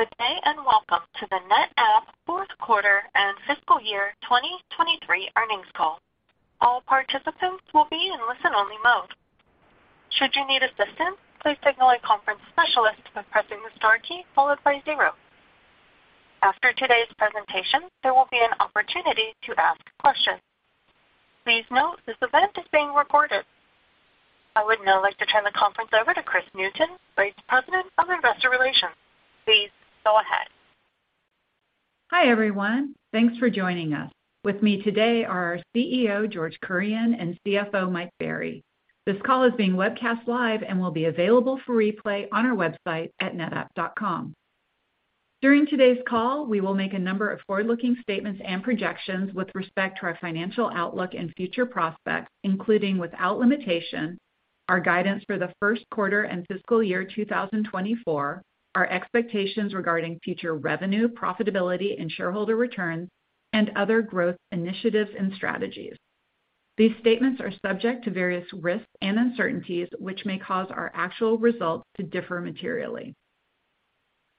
Good day, welcome to the NetApp fourth quarter and fiscal year 2023 earnings call. All participants will be in listen-only mode. Should you need assistance, please signal a conference specialist by pressing the star key followed by zero. After today's presentation, there will be an opportunity to ask questions. Please note, this event is being recorded. I would now like to turn the conference over to Kris Newton, Vice President of Investor Relations. Please go ahead. Hi, everyone. Thanks for joining us. With me today are our CEO, George Kurian, and CFO, Mike Berry. This call is being webcast live and will be available for replay on our website at netapp.com. During today's call, we will make a number of forward-looking statements and projections with respect to our financial outlook and future prospects, including without limitation, our guidance for the first quarter and fiscal year 2024, our expectations regarding future revenue, profitability, and shareholder returns, and other growth initiatives and strategies. These statements are subject to various risks and uncertainties, which may cause our actual results to differ materially.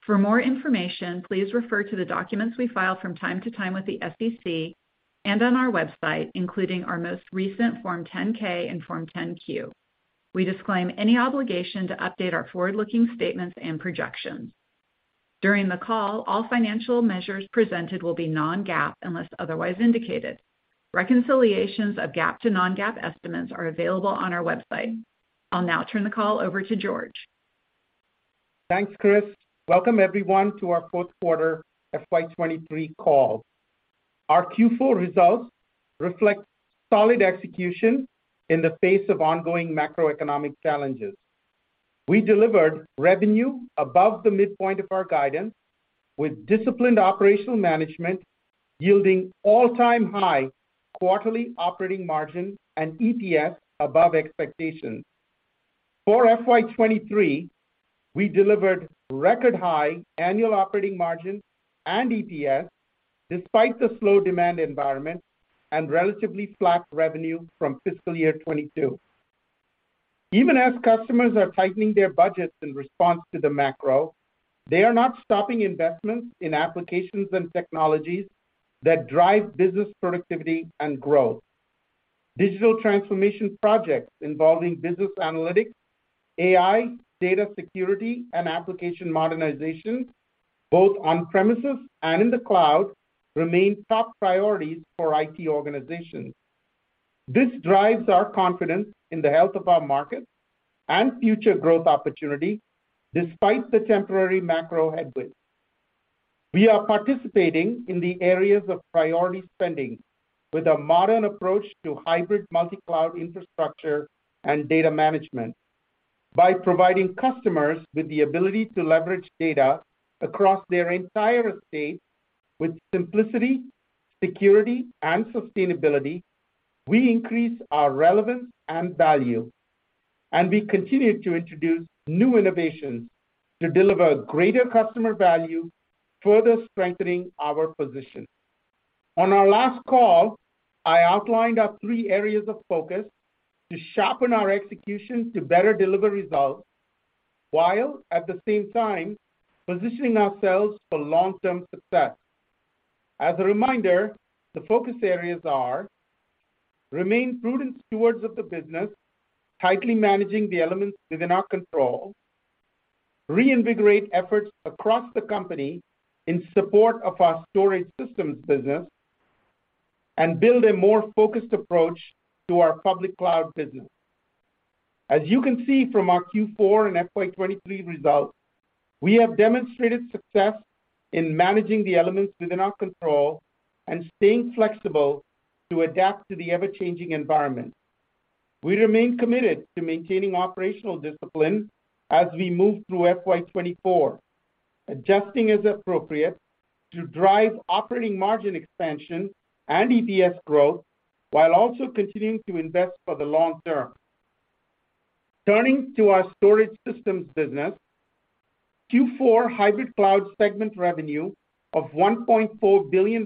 For more information, please refer to the documents we file from time to time with the SEC and on our website, including our most recent Form 10-K and Form 10-Q. We disclaim any obligation to update our forward-looking statements and projections. During the call, all financial measures presented will be non-GAAP, unless otherwise indicated. Reconciliations of GAAP to non-GAAP estimates are available on our website. I'll now turn the call over to George. Thanks, Kris. Welcome everyone to our fourth quarter FY23 call. Our Q4 results reflect solid execution in the face of ongoing macroeconomic challenges. We delivered revenue above the midpoint of our guidance, with disciplined operational management yielding all-time high quarterly operating margin and EPS above expectations. For FY23, we delivered record high annual operating margin and EPS, despite the slow demand environment and relatively flat revenue from fiscal year 2022. Even as customers are tightening their budgets in response to the macro, they are not stopping investments in applications and technologies that drive business productivity and growth. Digital transformation projects involving business analytics, AI, data security, and application modernization, both on premises and in the cloud, remain top priorities for IT organizations. This drives our confidence in the health of our market and future growth opportunity, despite the temporary macro headwinds. We are participating in the areas of priority spending with a modern approach to hybrid multi-cloud infrastructure and data management. By providing customers with the ability to leverage data across their entire estate with simplicity, security, and sustainability, we increase our relevance and value, and we continue to introduce new innovations to deliver greater customer value, further strengthening our position. On our last call, I outlined our three areas of focus to sharpen our execution to better deliver results, while at the same time positioning ourselves for long-term success. As a reminder, the focus areas are: Remain prudent stewards of the business, Rightly managing the elements within our control, Reinvigorate efforts across the company in support of our storage systems business, and Build a more focused approach to our public cloud business. As you can see from our Q4 and FY 2023 results, we have demonstrated success in managing the elements within our control and staying flexible to adapt to the ever-changing environment. We remain committed to maintaining operational discipline as we move through FY 2024, adjusting as appropriate to drive operating margin expansion and EPS growth, while also continuing to invest for the long term. Turning to our Storage Systems business, Q4 hybrid cloud segment revenue of $1.4 billion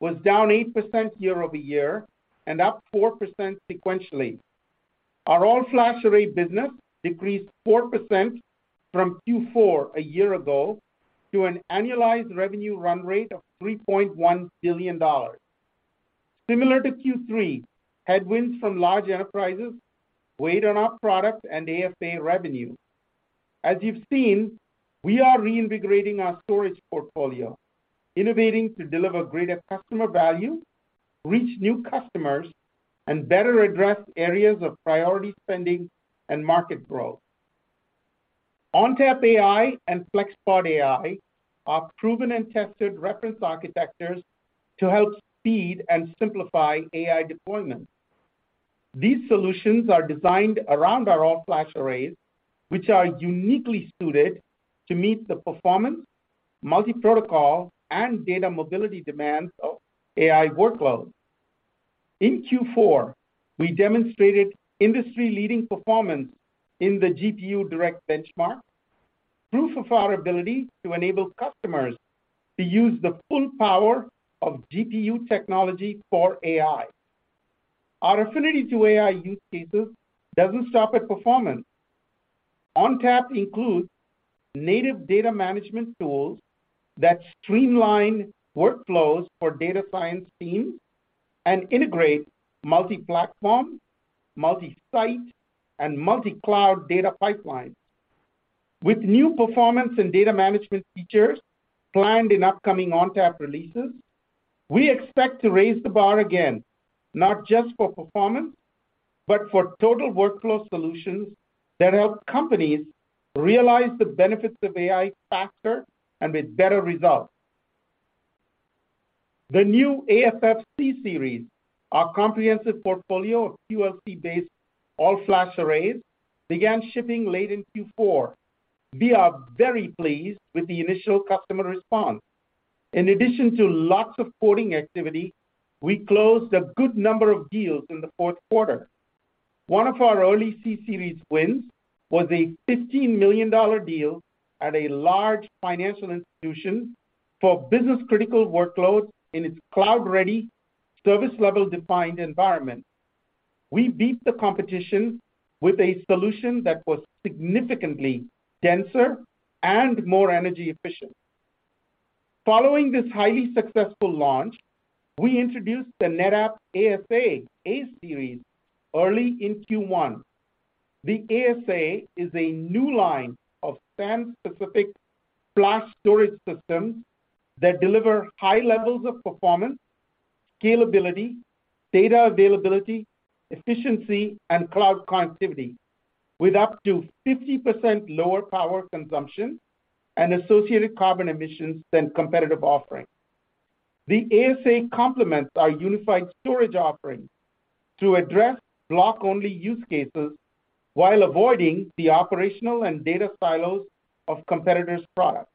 was down 8% year-over-year and up 4% sequentially. Our all-flash array business decreased 4% from Q4 a year ago to an annualized revenue run rate of $3.1 billion. Similar to Q3, headwinds from large enterprises weighed on our products and ASA revenue. As you've seen, we are reinvigorating our storage portfolio, innovating to deliver greater customer value, reach new customers, and better address areas of priority spending and market growth. ONTAP AI and FlexPod AI are proven and tested reference architectures to help speed and simplify AI deployment. These solutions are designed around ourall-flash arrays, which are uniquely suited to meet the performance, multi-protocol, and data mobility demands of AI workloads. In Q4, we demonstrated industry-leading performance in the GPUDirect benchmark, proof of our ability to enable customers to use the full power of GPU technology for AI. Our affinity to AI use cases doesn't stop at performance. ONTAP includes native data management tools that streamline workflows for data science teams and integrate multi-platform, multi-site, and multi-cloud data pipelines. With new performance and data management features planned in upcoming ONTAP releases, we expect to raise the bar again, not just for performance, but for total workflow solutions that help companies realize the benefits of AI faster and with better results. The new AFF C-Series, our comprehensive portfolio of QLC-based all-flash arrays, began shipping late in Q4. We are very pleased with the initial customer response. In addition to lots of porting activity, we closed a good number of deals in the fourth quarter. One of our early C-Series wins was a $15 million deal at a large financial institution for business-critical workloads in its cloud-ready, service-level defined environment. We beat the competition with a solution that was significantly denser and more energy efficient. Following this highly successful launch, we introduced the NetApp ASA A-Series early in Q1. The ASA is a new line of SAN-specific flash storage systems that deliver high levels of performance, scalability, data availability, efficiency, and cloud connectivity, with up to 50% lower power consumption and associated carbon emissions than competitive offerings. The ASA complements our unified storage offerings to address block-only use cases while avoiding the operational and data silos of competitors' products.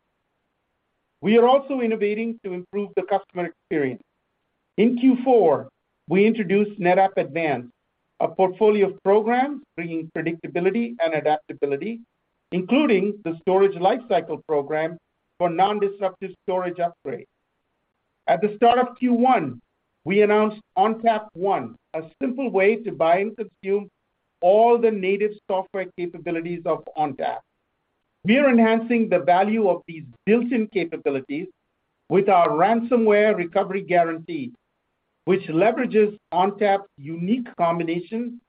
We are also innovating to improve the customer experience. In Q4, we introduced NetApp Advance, a portfolio of programs bringing predictability and adaptability, including the Storage Lifecycle program for non-disruptive storage upgrades. At the start of Q1, we announced ONTAP One, a simple way to buy and consume all the native software capabilities of ONTAP. We are enhancing the value of these built-in capabilities with our ransomware recovery guarantee, which leverages ONTAP's unique combination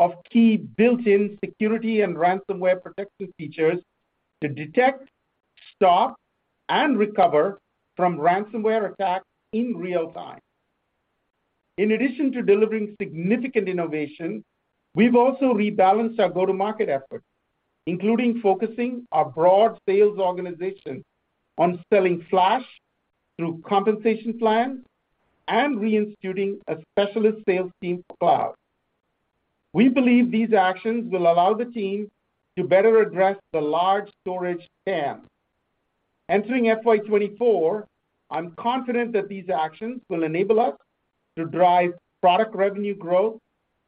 of key built-in security and ransomware protection features to detect, stop, and recover from ransomware attacks in real time. In addition to delivering significant innovation, we've also rebalanced our go-to-market efforts, including focusing our broad sales organization on selling Flash through compensation plans and reinstituting a specialist sales team for cloud. We believe these actions will allow the team to better address the large storage TAM. Entering FY 2024, I'm confident that these actions will enable us to drive product revenue growth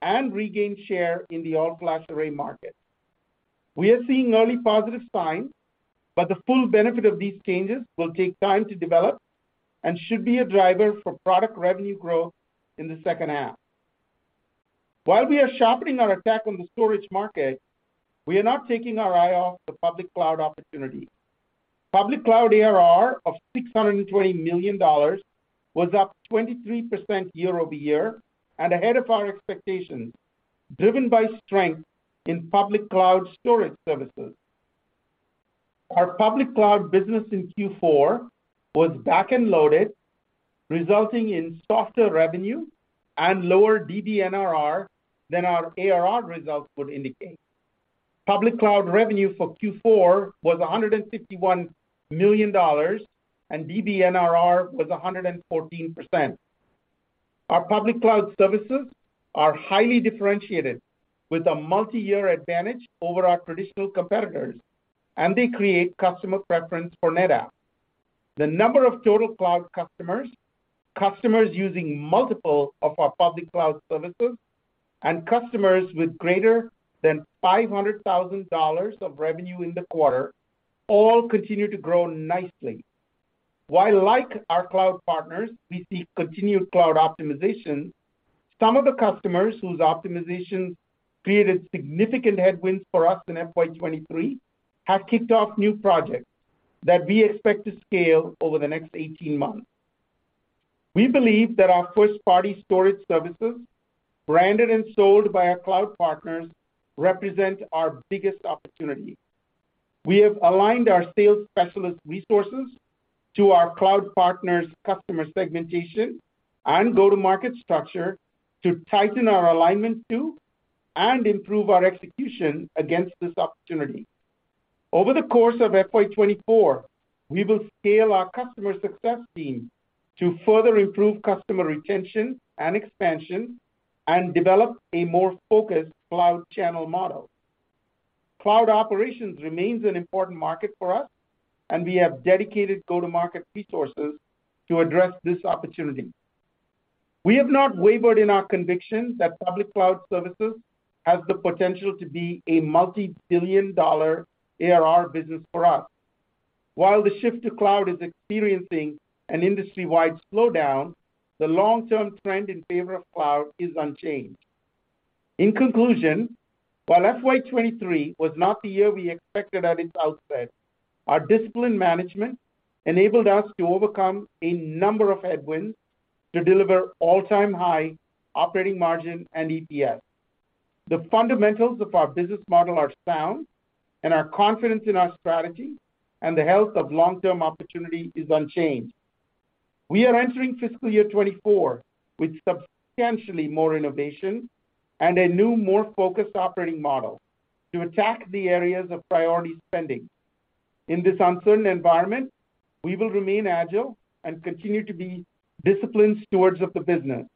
and regain share in the all-flash array market. We are seeing early positive signs, but the full benefit of these changes will take time to develop and should be a driver for product revenue growth in the second half. While we are sharpening our attack on the storage market, we are not taking our eye off the public cloud opportunity. Public cloud ARR of $620 million was up 23% year-over-year and ahead of our expectations, driven by strength in public cloud storage services. Our public cloud business in Q4 was back and loaded, resulting in softer revenue and lower DBNRR than our ARR results would indicate. Public cloud revenue for Q4 was $151 million, and DBNRR was 114%. Our public cloud services are highly differentiated, with a multi-year advantage over our traditional competitors, and they create customer preference for NetApp. The number of total cloud customers using multiple of our public cloud services, and customers with greater than $500,000 of revenue in the quarter all continue to grow nicely. Like our cloud partners, we see continued cloud optimization, some of the customers whose optimizations created significant headwinds for us in FY 2023 have kicked off new projects that we expect to scale over the next 18 months. We believe that our first-party storage services, branded and sold by our cloud partners, represent our biggest opportunity. We have aligned our sales specialist resources to our cloud partners' customer segmentation and go-to-market structure to tighten our alignment to and improve our execution against this opportunity. Over the course of FY 2024, we will scale our customer success team to further improve customer retention and expansion and develop a more focused cloud channel model. Cloud operations remains an important market for us, and we have dedicated go-to-market resources to address this opportunity. We have not wavered in our conviction that public cloud services has the potential to be a multi-billion dollar ARR business for us. While the shift to cloud is experiencing an industry-wide slowdown, the long-term trend in favor of cloud is unchanged. In conclusion, while FY 2023 was not the year we expected at its outset, our disciplined management enabled us to overcome a number of headwinds to deliver all-time high operating margin and EPS. The fundamentals of our business model are sound, and our confidence in our strategy and the health of long-term opportunity is unchanged. We are entering fiscal year 2024 with substantially more innovation and a new, more focused operating model to attack the areas of priority spending. In this uncertain environment, we will remain agile and continue to be disciplined stewards of the business.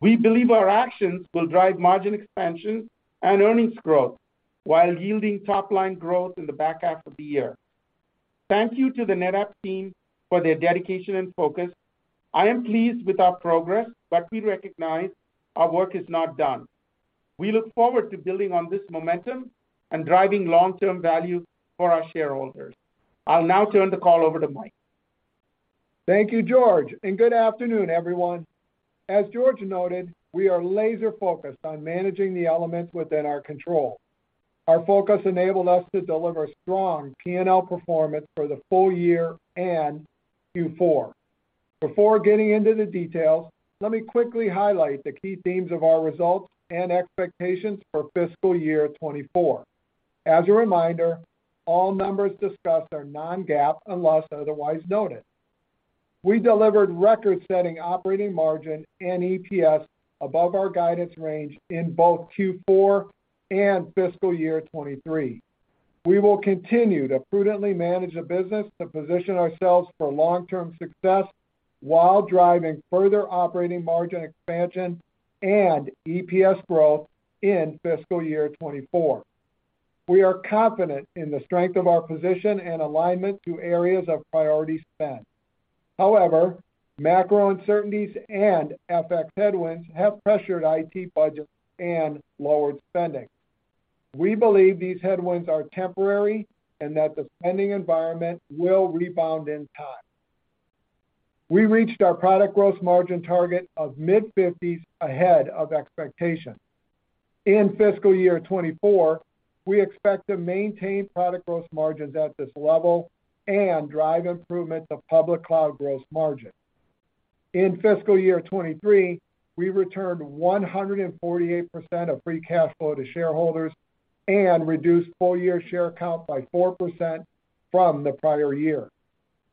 We believe our actions will drive margin expansion and earnings growth while yielding top-line growth in the back half of the year. Thank you to the NetApp team for their dedication and focus. I am pleased with our progress, but we recognize our work is not done. We look forward to building on this momentum and driving long-term value for our shareholders. I'll now turn the call over to Mike. Thank you, George, and good afternoon, everyone. As George noted, we are laser-focused on managing the elements within our control. Our focus enabled us to deliver strong P&L performance for the full year and Q4. Before getting into the details, let me quickly highlight the key themes of our results and expectations for fiscal year 2024. As a reminder, all numbers discussed are non-GAAP unless otherwise noted. We delivered record-setting operating margin and EPS above our guidance range in both Q4 and fiscal year 2023. We will continue to prudently manage the business to position ourselves for long-term success while driving further operating margin expansion and EPS growth in fiscal year 2024. We are confident in the strength of our position and alignment to areas of priority spend. However, macro uncertainties and FX headwinds have pressured IT budgets and lowered spending. We believe these headwinds are temporary and that the spending environment will rebound in time. We reached our product gross margin target of mid-fifties ahead of expectation. In fiscal year 2024, we expect to maintain product gross margins at this level and drive improvement of public cloud gross margin. In fiscal year 2023, we returned 148% of free cash flow to shareholders and reduced full-year share count by 4% from the prior year.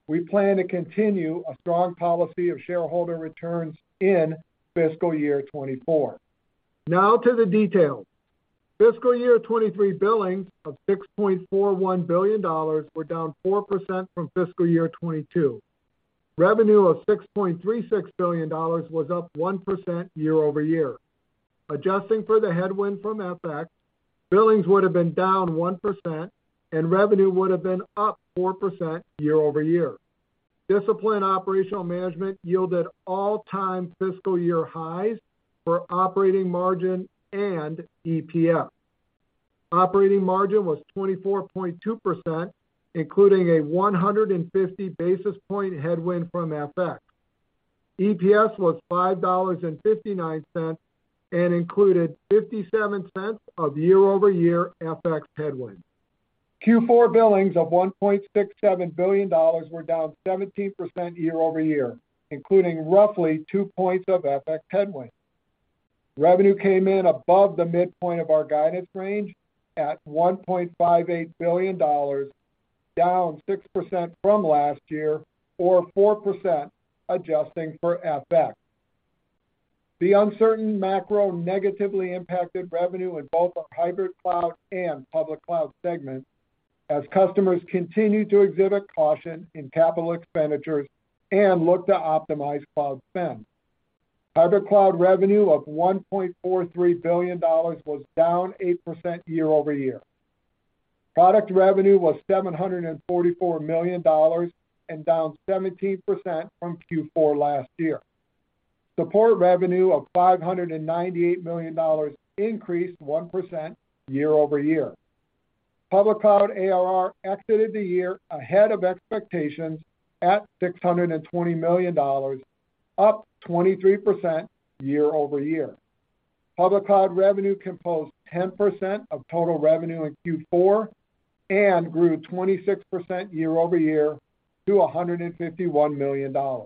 We plan to continue a strong policy of shareholder returns in fiscal year 2024. To the details. Fiscal year 2023 billings of $6.41 billion were down 4% from fiscal year 2022. Revenue of $6.36 billion was up 1% year-over-year. Adjusting for the headwind from FX, billings would have been down 1%, and revenue would have been up 4% year-over-year. Disciplined operational management yielded all-time fiscal year highs for operating margin and EPS. Operating margin was 24.2%, including a 150 basis point headwind from FX. EPS was $5.59 and included $0.57 of year-over-year FX headwind. Q4 billings of $1.67 billion were down 17% year-over-year, including roughly 2 points of FX headwind. Revenue came in above the midpoint of our guidance range at $1.58 billion, down 6% from last year, or 4%, adjusting for FX. The uncertain macro negatively impacted revenue in both the hybrid cloud and public cloud segments, as customers continued to exhibit caution in capital expenditures and looked to optimize cloud spend. Hybrid cloud revenue of $1.43 billion was down 8% year-over-year. Product revenue was $744 million and down 17% from Q4 last year. Support revenue of $598 million increased 1% year-over-year. Public cloud ARR exited the year ahead of expectations at $620 million, up 23% year-over-year. Public cloud revenue composed 10% of total revenue in Q4 and grew 26% year-over-year to $151 million.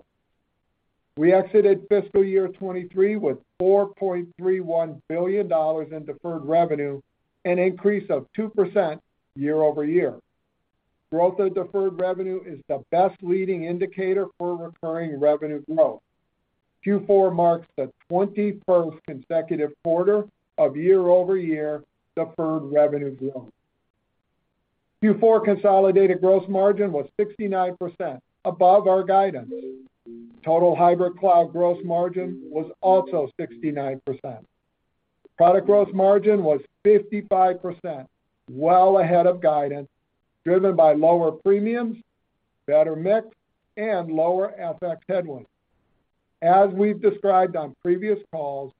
We exited fiscal year 2023 with $4.31 billion in deferred revenue, an increase of 2% year-over-year. Growth of deferred revenue is the best leading indicator for recurring revenue growth. Q4 marks the 21st consecutive quarter of year-over-year deferred revenue growth. Q4 consolidated gross margin was 69%, above our guidance. Total hybrid cloud gross margin was also 69%. Product gross margin was 55%, well ahead of guidance, driven by lower premiums, better mix, and lower FX headwinds. As we've described on previous calls,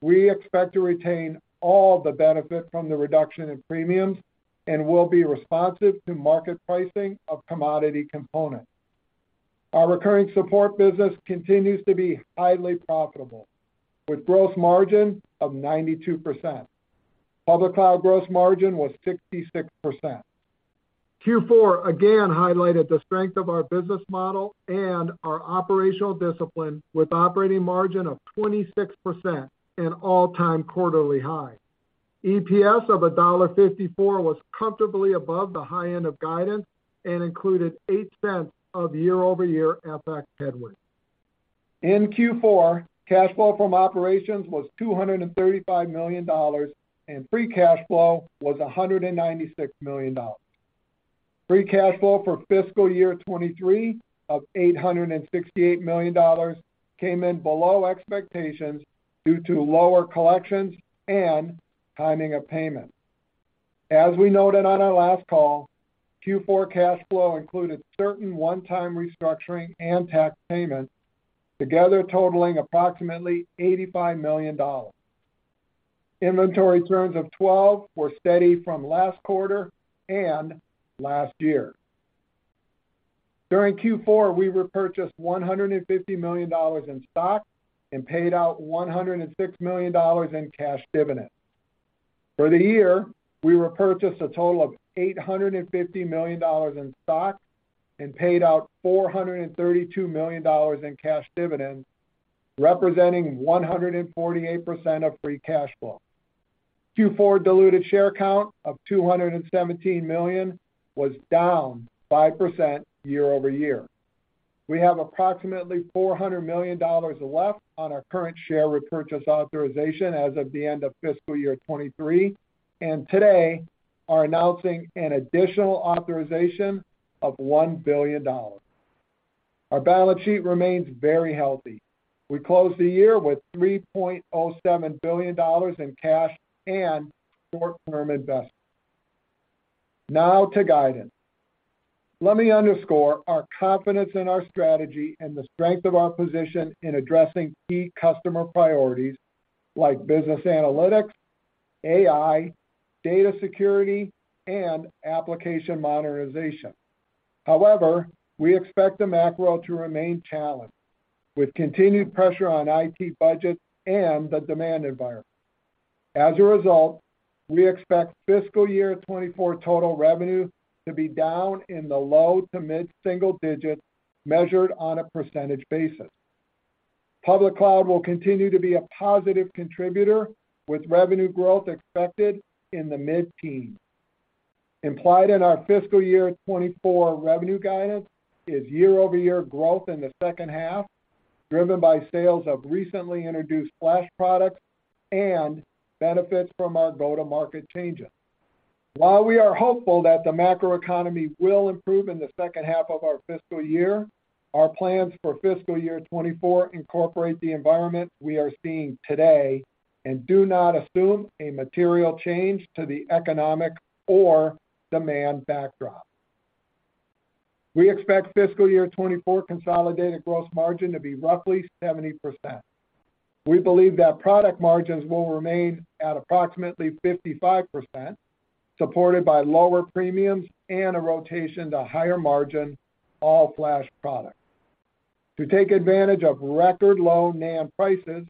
we expect to retain all the benefit from the reduction in premiums, and we'll be responsive to market pricing of commodity component. Our recurring support business continues to be highly profitable, with gross margin of 92%. Public cloud gross margin was 66%. Q4, again, highlighted the strength of our business model and our operational discipline, with operating margin of 26% and all-time quarterly high. EPS of $1.54 was comfortably above the high end of guidance and included $0.08 of year-over-year OpEx headwind. In Q4, cash flow from operations was $235 million, and free cash flow was $196 million. Free cash flow for fiscal year 2023 of $868 million came in below expectations due to lower collections and timing of payment. As we noted on our last call, Q4 cash flow included certain one-time restructuring and tax payments, together totaling approximately $85 million. Inventory turns of 12 were steady from last quarter and last year. During Q4, we repurchased $150 million in stock and paid out $106 million in cash dividends. For the year, we repurchased a total of $850 million in stock and paid out $432 million in cash dividends, representing 148% of free cash flow. Q4 diluted share count of 217 million was down 5% year-over-year. We have approximately $400 million left on our current share repurchase authorization as of the end of fiscal year 2023. Today are announcing an additional authorization of $1 billion. Our balance sheet remains very healthy. We closed the year with $3.07 billion in cash and short-term investments. Now to guidance. Let me underscore our confidence in our strategy and the strength of our position in addressing key customer priorities like business analytics, AI, data security, and application modernization. However, we expect the macro to remain challenged, with continued pressure on IT budget and the demand environment. As a result, we expect fiscal year 2024 total revenue to be down in the low to mid-single-digit, measured on a percentage basis. Public cloud will continue to be a positive contributor, with revenue growth expected in the mid-teens. Implied in our fiscal year 2024 revenue guidance is year-over-year growth in the second half, driven by sales of recently introduced flash products and benefits from our go-to-market changes. While we are hopeful that the macroeconomy will improve in the second half of our fiscal year, our plans for fiscal year 2024 incorporate the environment we are seeing today and do not assume a material change to the economic or demand backdrop. We expect fiscal year 2024 consolidated gross margin to be roughly 70%. We believe that product margins will remain at approximately 55%, supported by lower premiums and a rotation to higher-margin all-flash products. To take advantage of record low NAND prices,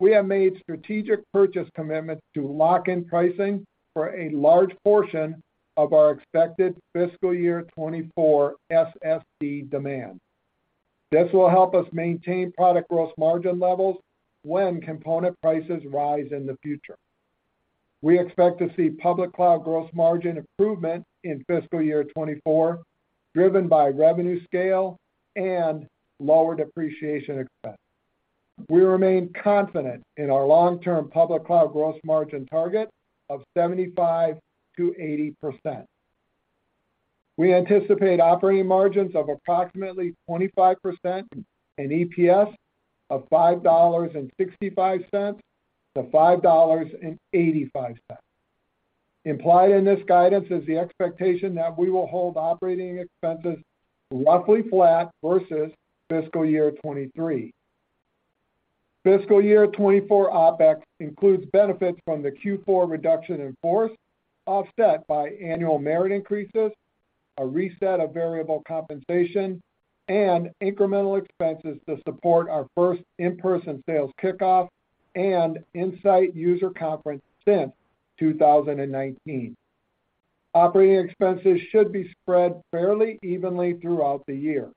we have made strategic purchase commitments to lock in pricing for a large portion of our expected fiscal year 2024 SSD demand. This will help us maintain product gross margin levels when component prices rise in the future. We expect to see public cloud gross margin improvement in fiscal year 2024, driven by revenue scale and lower depreciation expense. We remain confident in our long-term public cloud gross margin target of 75%-80%. We anticipate operating margins of approximately 25% and EPS of $5.65-$5.85. Implied in this guidance is the expectation that we will hold operating expenses roughly flat versus fiscal year 2023. Fiscal year 2024 OpEx includes benefits from the Q4 reduction in force, offset by annual merit increases, a reset of variable compensation, and incremental expenses to support our first in-person sales kickoff and INSIGHT user conference since 2019. Operating expenses should be spread fairly evenly throughout the year.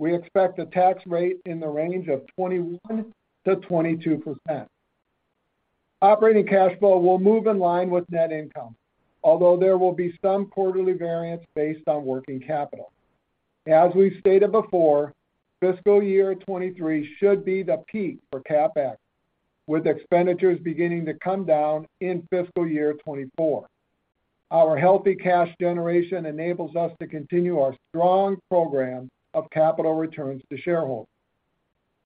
We expect a tax rate in the range of 21%-22%. Operating cash flow will move in line with net income, although there will be some quarterly variance based on working capital. As we've stated before, fiscal year 2023 should be the peak for CapEx, with expenditures beginning to come down in fiscal year 2024. Our healthy cash generation enables us to continue our strong program of capital returns to shareholders.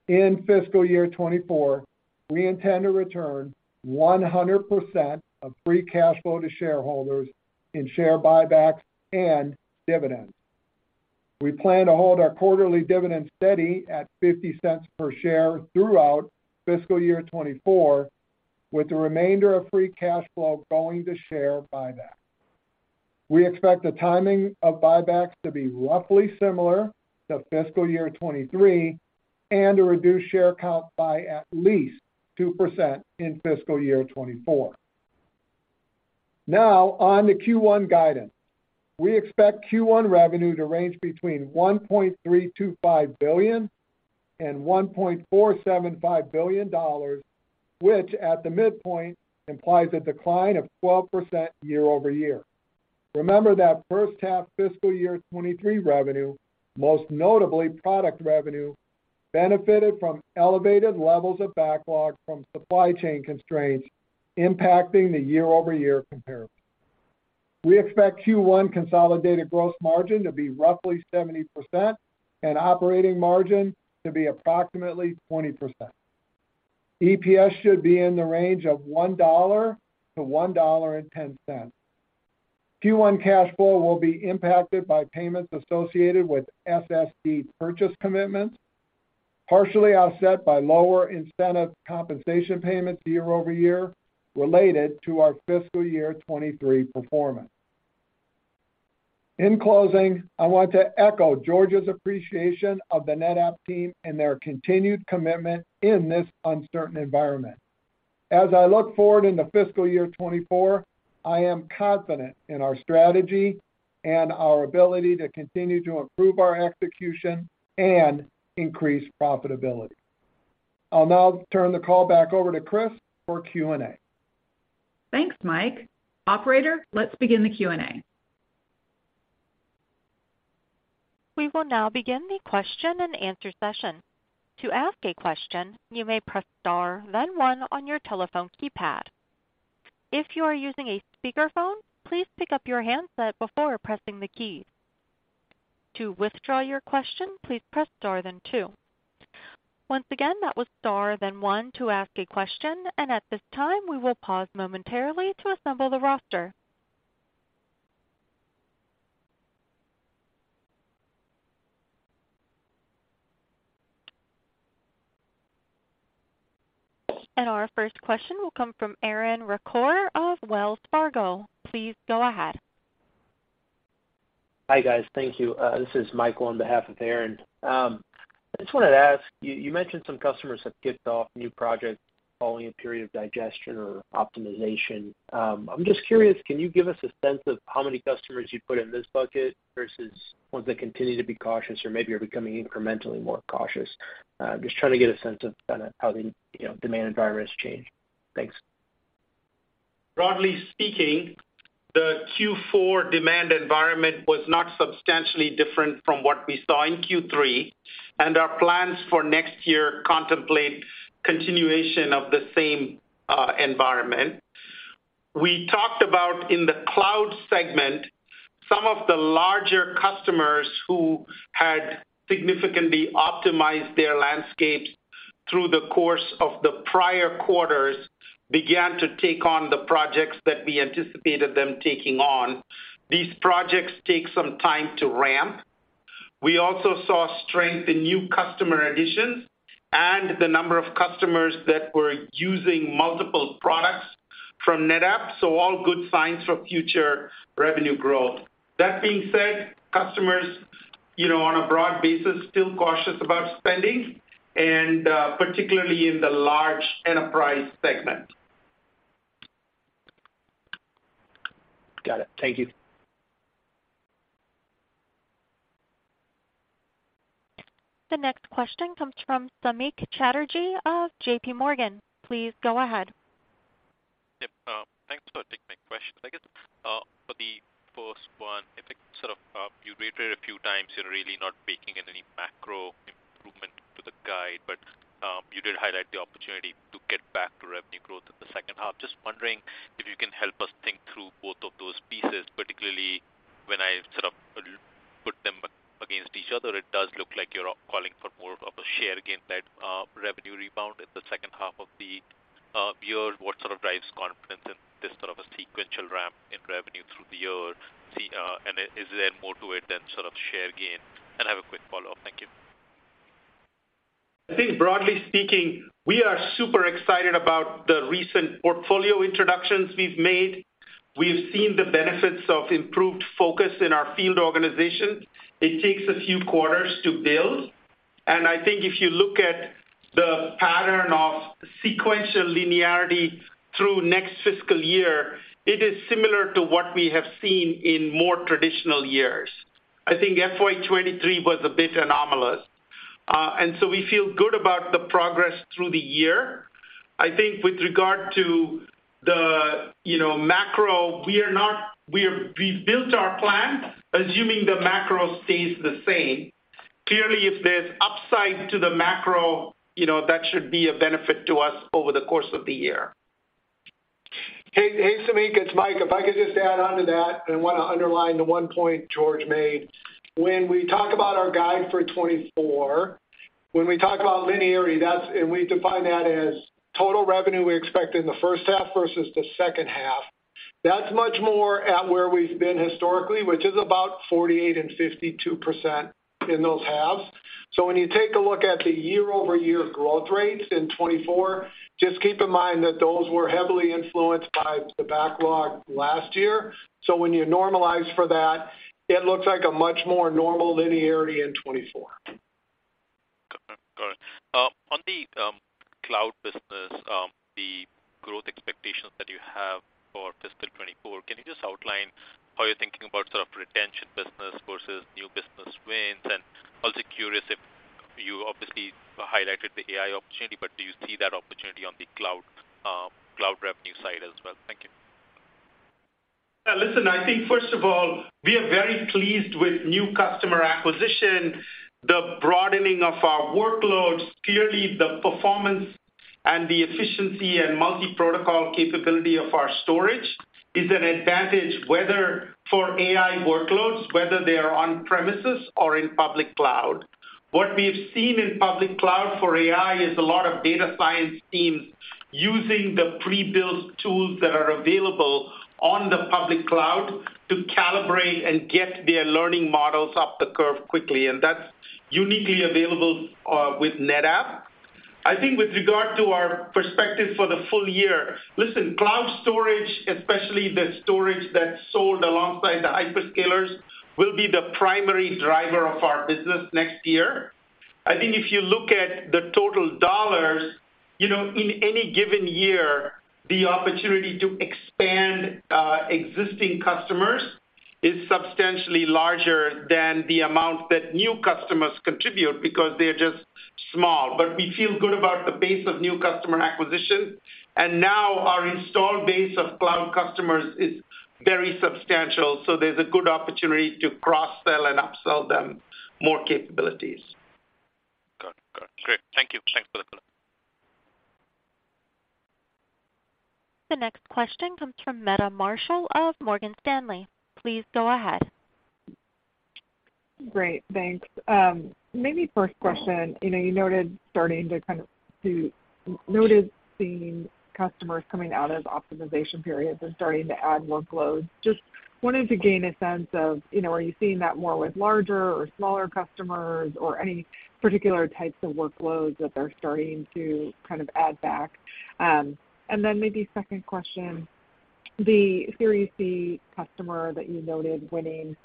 In fiscal year 2024, we intend to return 100% of free cash flow to shareholders in share buybacks and dividends. We plan to hold our quarterly dividend steady at $0.50 per share throughout fiscal year 2024, with the remainder of free cash flow going to share buyback. We expect the timing of buybacks to be roughly similar to fiscal year 2023 and to reduce share count by at least 2% in fiscal year 2024. Now, on the Q1 guidance, we expect Q1 revenue to range between $1.325 billion and $1.475 billion, which, at the midpoint, implies a decline of 12% year-over-year. Remember that first half fiscal year 2023 revenue, most notably product revenue, benefited from elevated levels of backlog from supply chain constraints impacting the year-over-year comparison. We expect Q1 consolidated gross margin to be roughly 70% and operating margin to be approximately 20%. EPS should be in the range of $1-$1.10. Q1 cash flow will be impacted by payments associated with SSD purchase commitments, partially offset by lower incentive compensation payments year-over-year related to our fiscal year 2023 performance. In closing, I want to echo George's appreciation of the NetApp team and their continued commitment in this uncertain environment. As I look forward in the fiscal year 2024, I am confident in our strategy and our ability to continue to improve our execution and increase profitability. I'll now turn the call back over to Kris for Q&A. Thanks, Mike. Operator, let's begin the Q&A. We will now begin the question-and-answer session. To ask a question, you may press star, then one on your telephone keypad. If you are using a speakerphone, please pick up your handset before pressing the key. To withdraw your question, please press star then two. Once again, that was star, then one to ask a question. At this time, we will pause momentarily to assemble the roster. Our first question will come from Aaron Rakers of Wells Fargo. Please go ahead. Hi, guys. Thank you. This is Michael on behalf of Aaron. I just wanted to ask, you mentioned some customers have kicked off new projects following a period of digestion or optimization. I'm just curious, can you give us a sense of how many customers you put in this bucket versus ones that continue to be cautious or maybe are becoming incrementally more cautious? Just trying to get a sense of kind of how the, you know, demand environment has changed. Thanks. Broadly speaking, the Q4 demand environment was not substantially different from what we saw in Q3, our plans for next year contemplate continuation of the same environment. We talked about in the cloud segment, some of the larger customers who had significantly optimized their landscapes through the course of the prior quarters, began to take on the projects that we anticipated them taking on. These projects take some time to ramp. We also saw strength in new customer additions and the number of customers that were using multiple products from NetApp, all good signs for future revenue growth. That being said, customers, you know, on a broad basis, still cautious about spending and particularly in the large enterprise segment. Got it. Thank you. The next question comes from Samik Chatterjee of JPMorgan. Please go ahead. Yep, thanks for taking my question. I guess, for the first one, I think sort of, you reiterated a few times, you're really not baking in any macro improvement to the guide, but, you did highlight the opportunity to get back to revenue growth in the second half. Just wondering if you can help us think through both of those pieces, particularly when I sort of put them against each other, it does look like you're calling for more of a share gain, that, revenue rebound in the second half of the year. What sort of drives confidence in this sort of a sequential ramp in revenue through the year? Is there more to it than sort of share gain? I have a quick follow-up. Thank you. I think broadly speaking, we are super excited about the recent portfolio introductions we've made. We've seen the benefits of improved focus in our field organization. It takes a few quarters to build. I think if you look at the pattern of sequential linearity through next fiscal year, it is similar to what we have seen in more traditional years. I think FY2023 was a bit anomalous, so we feel good about the progress through the year. I think with regard to the, you know, macro, we have rebuilt our plan, assuming the macro stays the same. Clearly, if there's upside to the macro, you know, that should be a benefit to us over the course of the year. Hey, Samik, it's Mike. If I could just add onto that, I want to underline the one point George made. When we talk about our guide for 2024, when we talk about linearity, and we define that as total revenue we expect in the first half versus the second half. Much more at where we've been historically, which is about 48% and 52% in those halves. When you take a look at the year-over-year growth rates in 2024, just keep in mind that those were heavily influenced by the backlog last year. When you normalize for that, it looks like a much more normal linearity in 2024. Got it. On the cloud business, the growth expectations that you have for fiscal 2024, can you just outline how you're thinking about sort of retention business versus new business wins? Also curious if you obviously highlighted the AI opportunity, but do you see that opportunity on the cloud revenue side as well? Thank you. Yeah, listen, I think first of all, we are very pleased with new customer acquisition, the broadening of our workloads. Clearly, the performance and the efficiency and multi-protocol capability of our storage is an advantage, whether for AI workloads, whether they are on premises or in public cloud. What we've seen in public cloud for AI is a lot of data science teams using the prebuilt tools that are available on the public cloud to calibrate and get their learning models up the curve quickly, and that's uniquely available with NetApp. I think with regard to our perspective for the full year, listen, cloud storage, especially the storage that's sold alongside the hyperscalers, will be the primary driver of our business next year. I think if you look at the total dollars, you know, in any given year, the opportunity to expand existing customers is substantially larger than the amount that new customers contribute because they're just small. We feel good about the base of new customer acquisition, and now our installed base of cloud customers is very substantial, so there's a good opportunity to cross-sell and upsell them more capabilities. Got it. Great. Thank you. Thanks for the call. The next question comes from Meta Marshall of Morgan Stanley. Please go ahead. Great, thanks. Maybe first question, you know, you noted starting to kind of noticing customers coming out of optimization periods and starting to add workloads. Just wanted to gain a sense of, you know, are you seeing that more with larger or smaller customers or any particular types of workloads that they're starting to kind of add back? Then maybe second question, the C-Series customer that you noted winning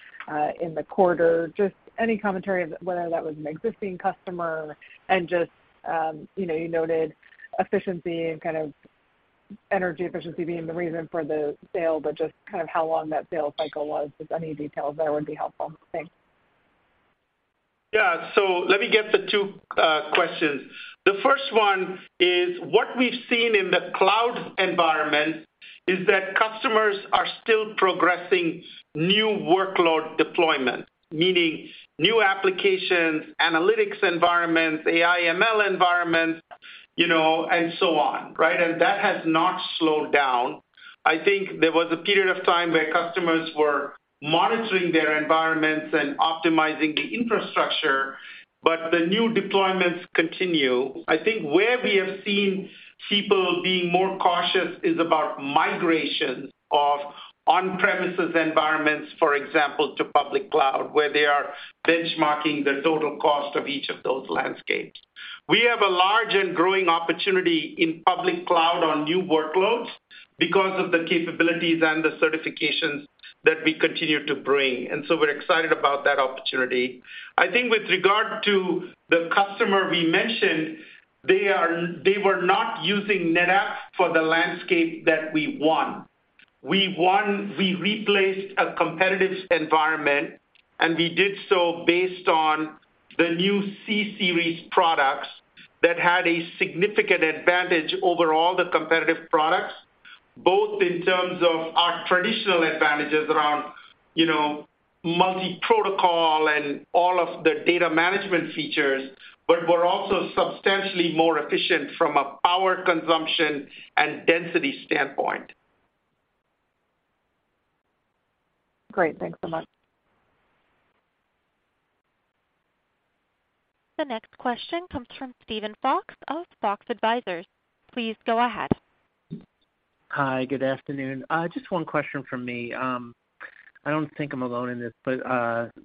in the quarter, just any commentary of whether that was an existing customer and just, you know, you noted efficiency and kind of energy efficiency being the reason for the sale, but just kind of how long that sales cycle was, just any details there would be helpful. Thanks. Let me get the two questions. The first one is, what we've seen in the cloud environment is that customers are still progressing new workload deployment, meaning new applications, analytics environments, AI, ML environments, you know, and so on, right? That has not slowed down. I think there was a period of time where customers were monitoring their environments and optimizing the infrastructure, but the new deployments continue. I think where we have seen people being more cautious is about migration of on-premises environments, for example, to public cloud, where they are benchmarking the total cost of each of those landscapes. We have a large and growing opportunity in public cloud on new workloads because of the capabilities and the certifications that we continue to bring, and so we're excited about that opportunity. I think with regard to the customer we mentioned, they were not using NetApp for the landscape that we won. We replaced a competitive environment, and we did so based on the new C-Series products that had a significant advantage over all the competitive products, both in terms of our traditional advantages around, you know, multi-protocol and all of the data management features, but were also substantially more efficient from a power consumption and density standpoint. Great. Thanks so much. The next question comes from Steven Fox of Fox Advisors. Please go ahead. Hi, good afternoon. Just one question from me. I don't think I'm alone in this, but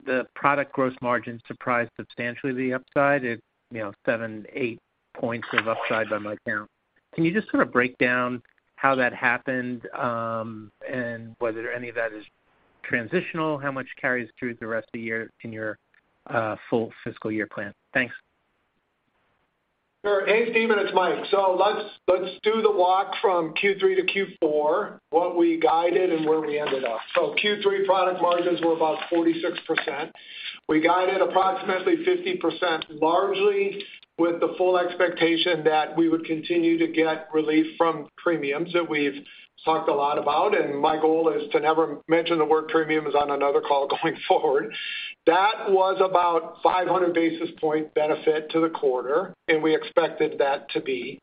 the product gross margin surprised substantially the upside. It, you know, seven, eight points of upside by my count. Can you just sort of break down how that happened, and whether any of that is transitional? How much carries through the rest of the year in your full fiscal year plan? Thanks. Sure. Hey, Steven, it's Mike. Let's do the walk from Q3-Q4, what we guided and where we ended up. Q3 product margins were about 46%. We guided approximately 50%, largely with the full expectation that we would continue to get relief from premiums that we've talked a lot about. My goal is to never mention the word premiums on another call going forward. That was about 500 basis point benefit to the quarter, and we expected that to be....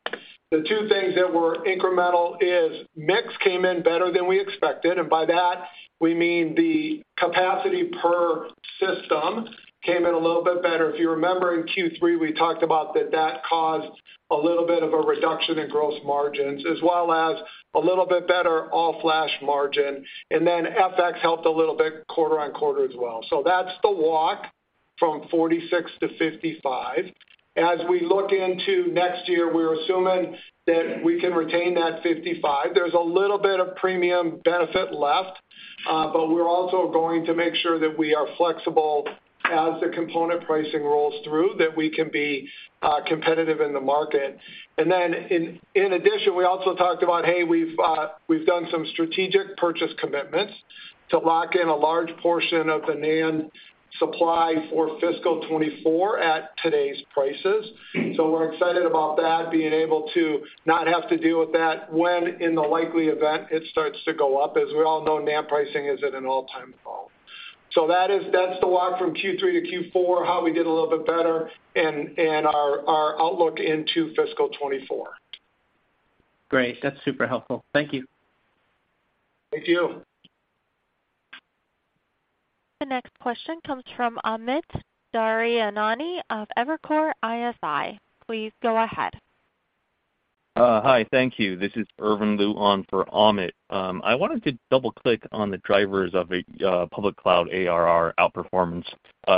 The two things that were incremental is mix came in better than we expected, and by that we mean the capacity per system came in a little bit better. If you remember, in Q3, we talked about that that caused a little bit of a reduction in gross margins, as well as a little bit better all flash margin, and then FX helped a little bit quarter-on-quarter as well. That's the walk from 46%-55%. As we look into next year, we're assuming that we can retain that 55%. There's a little bit of premium benefit left, but we're also going to make sure that we are flexible as the component pricing rolls through, that we can be competitive in the market. In addition, we also talked about, hey, we've done some strategic purchase commitments to lock in a large portion of the NAND supply for fiscal 2024 at today's prices. We're excited about that, being able to not have to deal with that when in the likely event it starts to go up. As we all know, NAND pricing is at an all-time low. That's the walk from Q3-Q4, how we did a little bit better and our outlook into fiscal 2024. Great. That's super helpful. Thank you. Thank you. The next question comes from Amit Daryanani of Evercore ISI. Please go ahead. Hi, thank you. This is Irvin Liu on for Amit. I wanted to double-click on the drivers of a public cloud ARR outperformance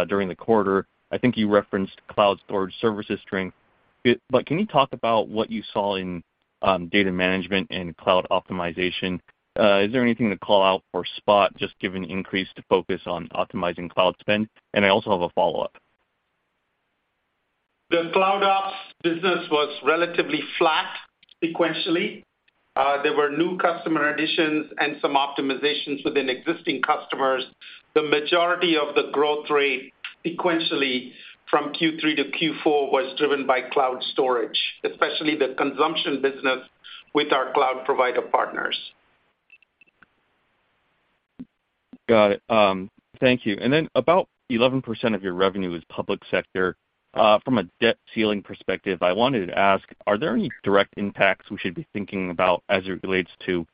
during the quarter. I think you referenced cloud storage services strength. Can you talk about what you saw in data management and cloud optimization? Is there anything to call out for Spot, just given increased focus on optimizing cloud spend? I also have a follow-up. The CloudOps business was relatively flat sequentially. There were new customer additions and some optimizations within existing customers. The majority of the growth rate sequentially from Q3-Q4 was driven by cloud storage, especially the consumption business with our cloud provider partners. Got it. Thank you. Then about 11% of your revenue is public sector. From a debt ceiling perspective, I wanted to ask, are there any direct impacts we should be thinking about as it relates to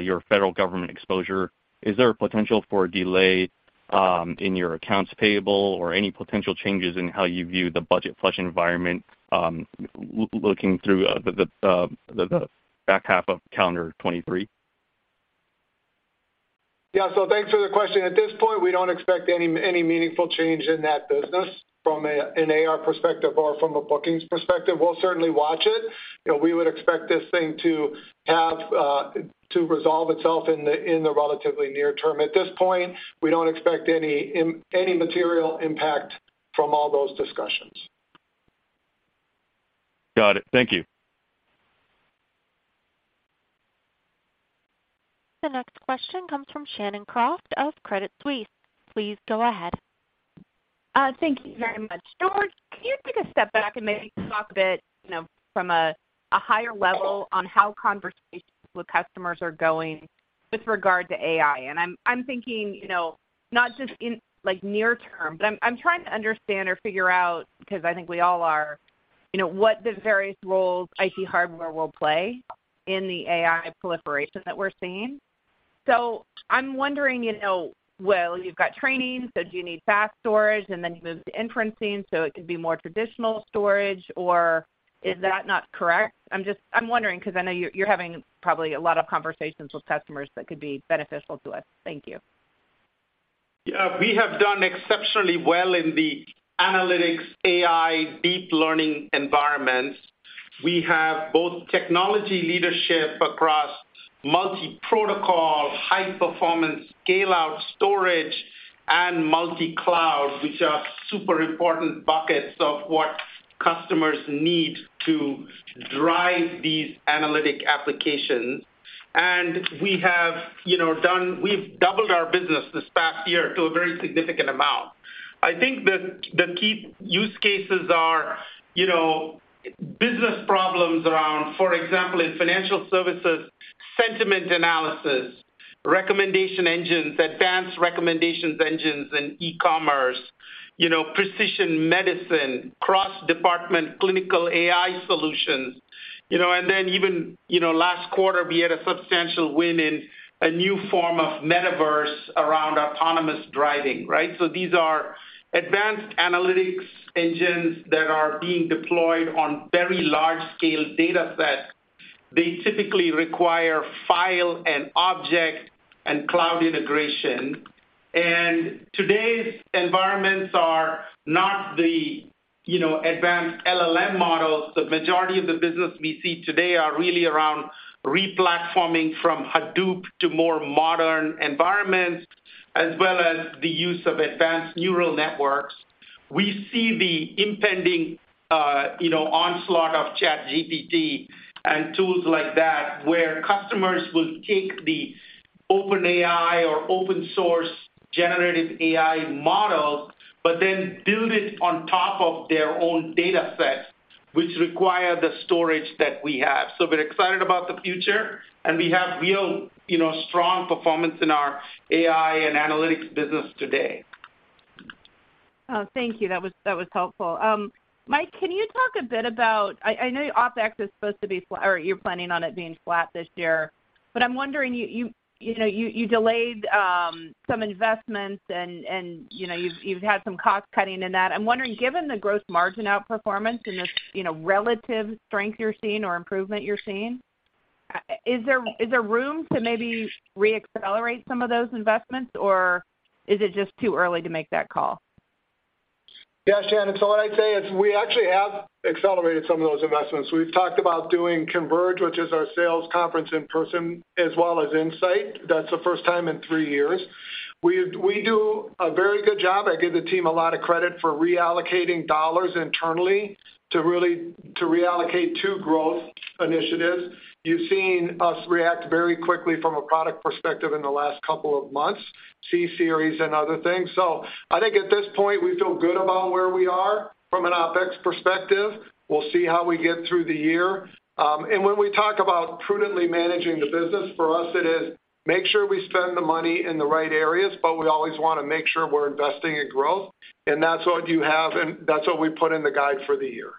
your federal government exposure? Is there a potential for a delay, in your accounts payable or any potential changes in how you view the budget flush environment, looking through the back half of calendar 2023? Yeah, thanks for the question. At this point, we don't expect any meaningful change in that business from an AR perspective or from a bookings perspective. We'll certainly watch it. You know, we would expect this thing to have to resolve itself in the relatively near term. At this point, we don't expect any material impact from all those discussions. Got it. Thank you. The next question comes from Shannon Cross of Credit Suisse. Please go ahead. Thank you very much. George, can you take a step back and maybe talk a bit, you know, from a higher level on how conversations with customers are going with regard to AI? I'm thinking, you know, not just in like near term, but I'm trying to understand or figure out, because I think we all are, you know, what the various roles IT hardware will play in the AI proliferation that we're seeing. I'm wondering, you know, well, you've got training, so do you need fast storage? You move to inferencing, so it could be more traditional storage, or is that not correct? I'm wondering, 'cause I know you're having probably a lot of conversations with customers that could be beneficial to us. Thank you. We have done exceptionally well in the analytics, AI, deep learning environments. We have both technology leadership across multi-protocol, high performance, scale-out storage and multi-cloud, which are super important buckets of what customers need to drive these analytic applications. We have, you know, we've doubled our business this past year to a very significant amount. I think the key use cases are, you know, business problems around, for example, in financial services, sentiment analysis, recommendation engines, advanced recommendations engines in e-commerce, you know, precision medicine, cross-department clinical AI solutions, you know, and then even, you know, last quarter, we had a substantial win in a new form of metaverse around autonomous driving, right? These are advanced analytics engines that are being deployed on very large scale datasets. They typically require file and object and cloud integration. Today's environments are not the, you know, advanced LLM models. The majority of the business we see today are really around re-platforming from Hadoop to more modern environments, as well as the use of advanced neural networks. We see the impending, you know, onslaught of ChatGPT and tools like that, where customers will take the OpenAI or open source generative AI model, but then build it on top of their own data sets, which require the storage that we have. We're excited about the future, and we have real, you know, strong performance in our AI and analytics business today. Oh, thank you. That was helpful. Mike, I know your OpEx is supposed to be flat, or you're planning on it being flat this year. I'm wondering, you know, you delayed some investments and, you know, you've had some cost cutting in that. I'm wondering, given the gross margin outperformance and this, you know, relative strength you're seeing or improvement you're seeing, is there room to maybe reaccelerate some of those investments, or is it just too early to make that call? Shannon, what I'd say is we actually have accelerated some of those investments. We've talked about doing Converge, which is our sales conference in person, as well as INSIGHT. That's the first time in three years. We do a very good job. I give the team a lot of credit for reallocating dollars internally to reallocate to growth initiatives. You've seen us react very quickly from a product perspective in the last couple of months, C-Series and other things. I think at this point, we feel good about where we are from an OpEx perspective. We'll see how we get through the year. When we talk about prudently managing the business, for us, it is make sure we spend the money in the right areas, but we always want to make sure we're investing in growth, and that's what you have, and that's what we put in the guide for the year.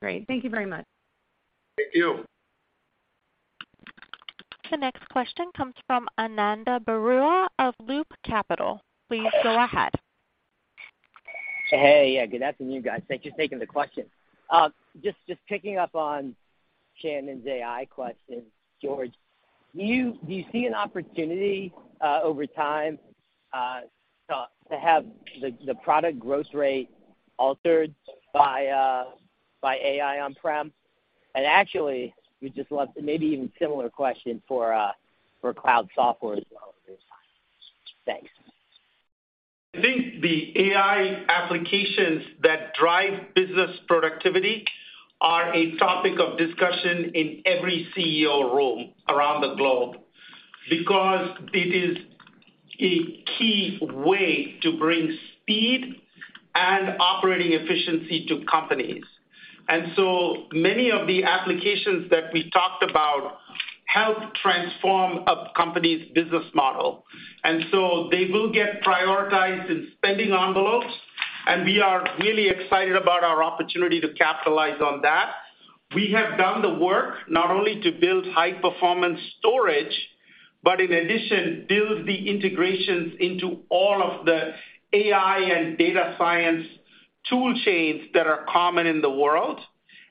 Great. Thank you very much. Thank you. The next question comes from Ananda Baruah of Loop Capital. Please go ahead. Hey, yeah, good afternoon, guys. Thanks for taking the question. Just picking up on Shannon's AI question, George, do you see an opportunity, over time, to have the product growth rate altered by AI on-prem? Actually, we just want maybe even similar question for cloud software as well at this time. Thanks. I think the AI applications that drive business productivity are a topic of discussion in every CEO room around the globe because it is a key way to bring speed and operating efficiency to companies. So many of the applications that we talked about help transform a company's business model, and so they will get prioritized in spending envelopes, and we are really excited about our opportunity to capitalize on that. We have done the work not only to build high-performance storage, but in addition, build the integrations into all of the AI and data science tool chains that are common in the world,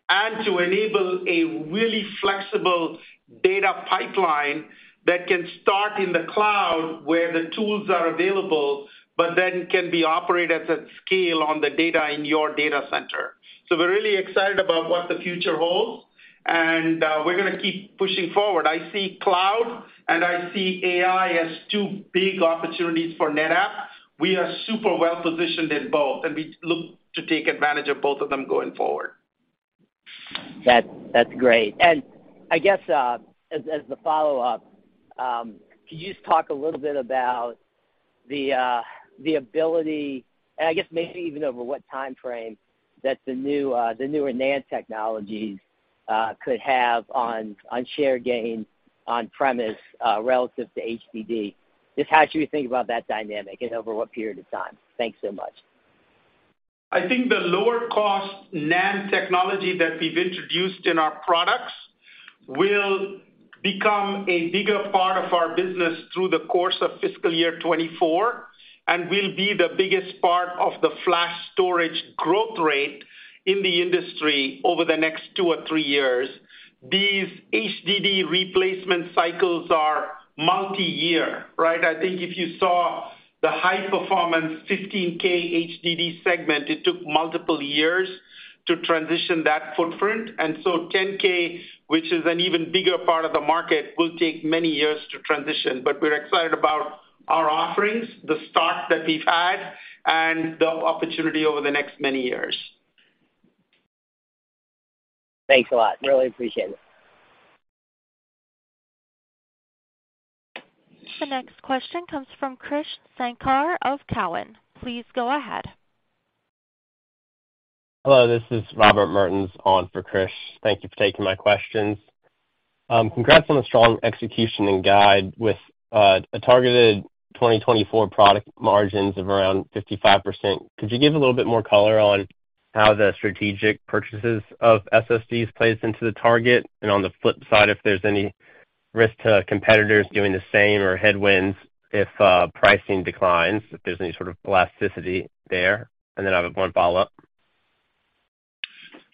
and to enable a really flexible data pipeline that can start in the cloud, where the tools are available, but then can be operated at scale on the data in your data center. We're really excited about what the future holds, and we're going to keep pushing forward. I see cloud, and I see AI as two big opportunities for NetApp. We are super well positioned in both, and we look to take advantage of both of them going forward. That's great. I guess as the follow-up, could you just talk a little bit about the ability, and I guess maybe even over what time frame that the newer NAND technologies could have on share gain on-premise relative to HDD? Just how should we think about that dynamic and over what period of time? Thanks so much. I think the lower-cost NAND technology that we've introduced in our products will become a bigger part of our business through the course of fiscal year 2024, and will be the biggest part of the flash storage growth rate in the industry over the next two or three years. These HDD replacement cycles are multi-year, right? I think if you saw the high-performance 15K HDD segment, it took multiple years to transition that footprint. 10K, which is an even bigger part of the market, will take many years to transition. We're excited about our offerings, the start that we've had, and the opportunity over the next many years. Thanks a lot. Really appreciate it. The next question comes from Krish Sankar of Cowen. Please go ahead. Hello, this is Robert Mertens on for Krish. Thank you for taking my questions. Congrats on the strong execution and guide with, a targeted 2024 product margins of around 55%. Could you give a little bit more color on how the strategic purchases of SSDs plays into the target? On the flip side, if there's any risk to competitors doing the same or headwinds if, pricing declines, if there's any sort of elasticity there. Then I have one follow-up.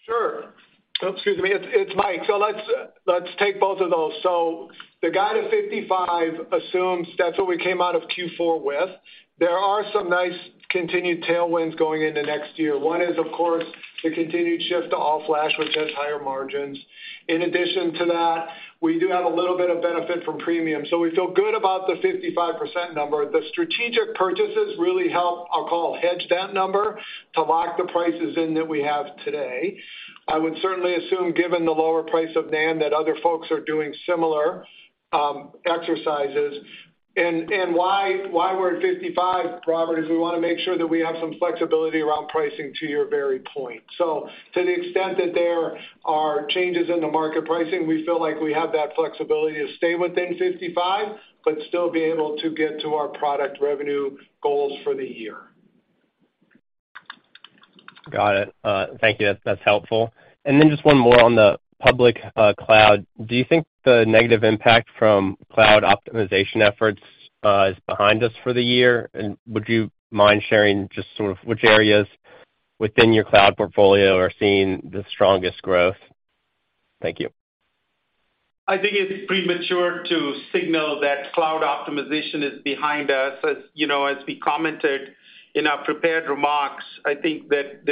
Sure. Excuse me. It's Mike. Let's take both of those. The guide of 55 assumes that's what we came out of Q4 with. There are some nice continued tailwinds going into next year. One is, of course, the continued shift to all-flash, which has higher margins. In addition to that, we do have a little bit of benefit from premium, so we feel good about the 55% number. The strategic purchases really help, I'll call, hedge that number to lock the prices in that we have today. I would certainly assume, given the lower price of NAND, that other folks are doing similar exercises. Why we're at 55, Robert, is we want to make sure that we have some flexibility around pricing, to your very point. To the extent that there are changes in the market pricing, we feel like we have that flexibility to stay within 55%, but still be able to get to our product revenue goals for the year. Got it. Thank you. That's helpful. Then just one more on the public cloud. Do you think the negative impact from cloud optimization efforts is behind us for the year? Would you mind sharing just sort of which areas within your cloud portfolio are seeing the strongest growth? Thank you. I think it's premature to signal that cloud optimization is behind us. As, you know, as we commented in our prepared remarks, I think that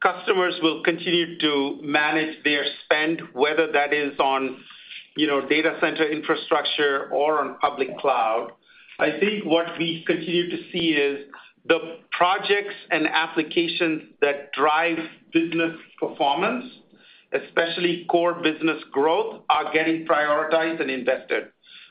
customers will continue to manage their spend, whether that is on, you know, data center infrastructure or on public cloud. I think what we continue to see is the projects and applications that drive business performance, especially core business growth, are getting prioritized and invested.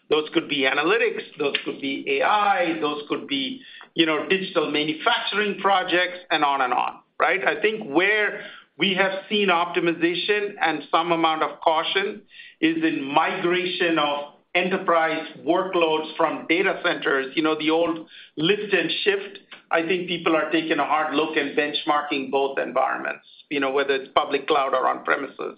Those could be analytics, those could be AI, those could be, you know, digital manufacturing projects, and on and on, right? I think where we have seen optimization and some amount of caution is in migration of enterprise workloads from data centers, you know, the old lift and shift. I think people are taking a hard look and benchmarking both environments, you know, whether it's public cloud or on premises.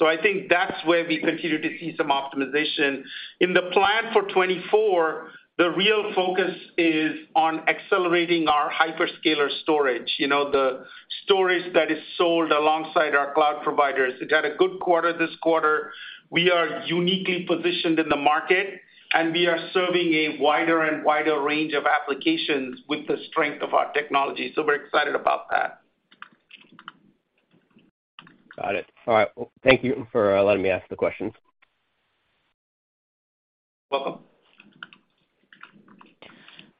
I think that's where we continue to see some optimization. In the plan for 2024, the real focus is on accelerating our hyperscaler storage, you know, the storage that is sold alongside our cloud providers. It had a good quarter this quarter. We are uniquely positioned in the market, and we are serving a wider and wider range of applications with the strength of our technology. We're excited about that. Got it. All right. Well, thank you for letting me ask the questions. Welcome.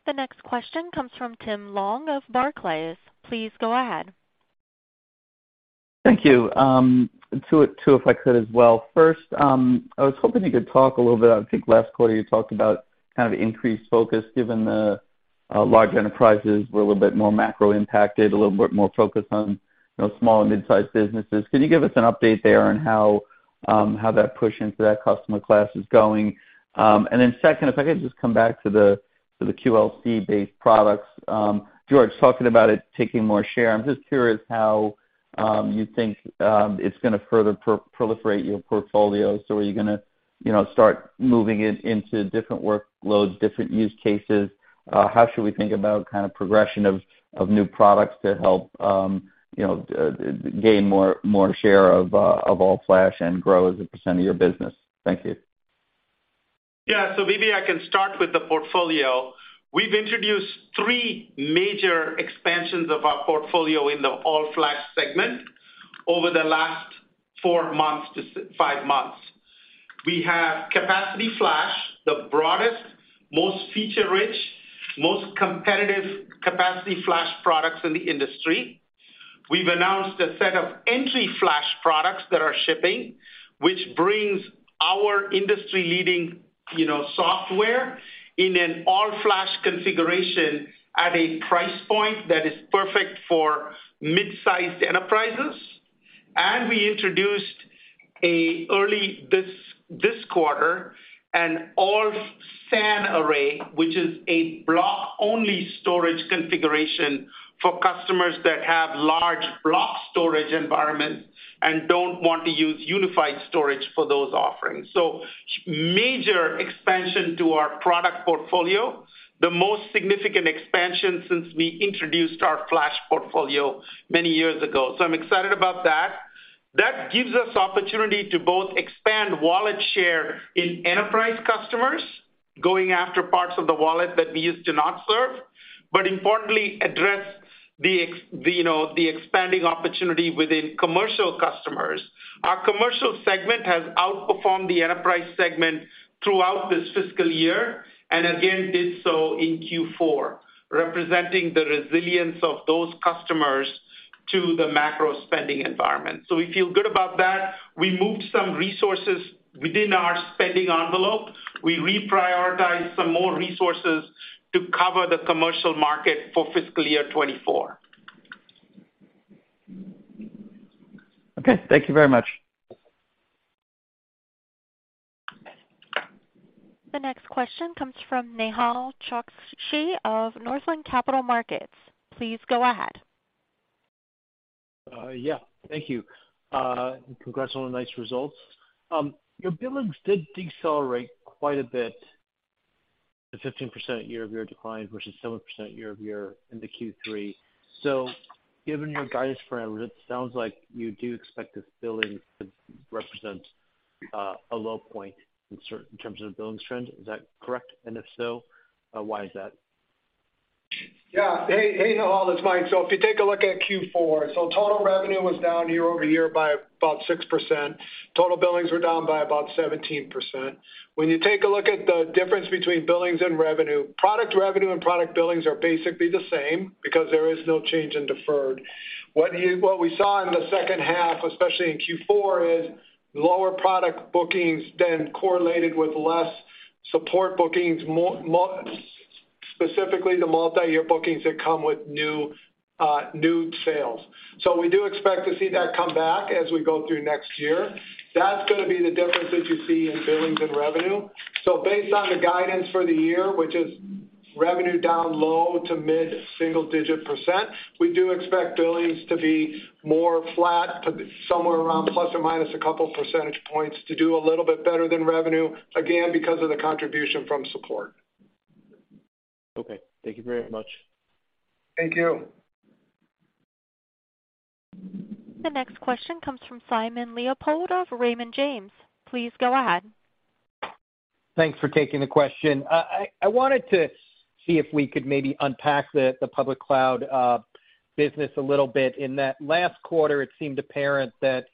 The next question comes from Tim Long of Barclays. Please go ahead. Thank you. Two, if I could as well. First, I was hoping you could talk a little bit, I think last quarter you talked about kind of increased focus, given the large enterprises were a little bit more macro impacted, a little bit more focused on, you know, small and mid-sized businesses. Can you give us an update there on how that push into that customer class is going? Second, if I could just come back to the QLC-based products. George talking about it taking more share. I'm just curious how you think it's going to further proliferate your portfolio. Are you going to, you know, start moving it into different workloads, different use cases? How should we think about kind of progression of new products to help, you know, gain more share of all-flash and grow as a percentage of your business? Thank you. Yeah. Maybe I can start with the portfolio. We've introduced three major expansions of our portfolio in the all flash segment over the last 4-5 months. We have capacity flash, the broadest, most feature-rich, most competitive capacity flash products in the industry. We've announced a set of entry flash products that are shipping, which brings our industry-leading, you know, software in an all flash configuration at a price point that is perfect for mid-sized enterprises. We introduced early this quarter, an all SAN array, which is a block-only storage configuration for customers that have large block storage environments and don't want to use unified storage for those offerings. Major expansion to our product portfolio, the most significant expansion since we introduced our flash portfolio many years ago. I'm excited about that. That gives us opportunity to both expand wallet share in enterprise customers, going after parts of the wallet that we used to not serve, importantly, address the, you know, the expanding opportunity within commercial customers. Our commercial segment has outperformed the enterprise segment throughout this fiscal year, again, did so in Q4, representing the resilience of those customers to the macro spending environment. We feel good about that. We moved some resources within our spending envelope. We reprioritized some more resources to cover the commercial market for fiscal year 2024. Okay, thank you very much. The next question comes from Nehal Chokshi of Northland Capital Markets. Please go ahead. Yeah, thank you. Congrats on the nice results. Your billings did decelerate quite a bit, the 15% year-over-year decline, versus 7% year-over-year in the Q3. Given your guidance parameters, it sounds like you do expect this billing to represent a low point in terms of the billings trend. Is that correct? If so, why is that? Hey, Nehal, it's Mike. If you take a look at Q4, total revenue was down year-over-year by about 6%. Total billings were down by about 17%. When you take a look at the difference between billings and revenue, product revenue and product billings are basically the same because there is no change in deferred. What we saw in the second half, especially in Q4, is lower product bookings then correlated with less support bookings, specifically the multi-year bookings that come with new sales. We do expect to see that come back as we go through next year. That's gonna be the difference that you see in billings and revenue. Based on the guidance for the year, which is revenue down low to mid-single digit percent. We do expect billings to be more flat, but somewhere around ± a couple percentage points to do a little bit better than revenue, again, because of the contribution from support. Okay. Thank you very much. Thank you. The next question comes from Simon Leopold of Raymond James. Please go ahead. Thanks for taking the question. I wanted to see if we could maybe unpack the public cloud business a little bit, in that last quarter, it seemed apparent that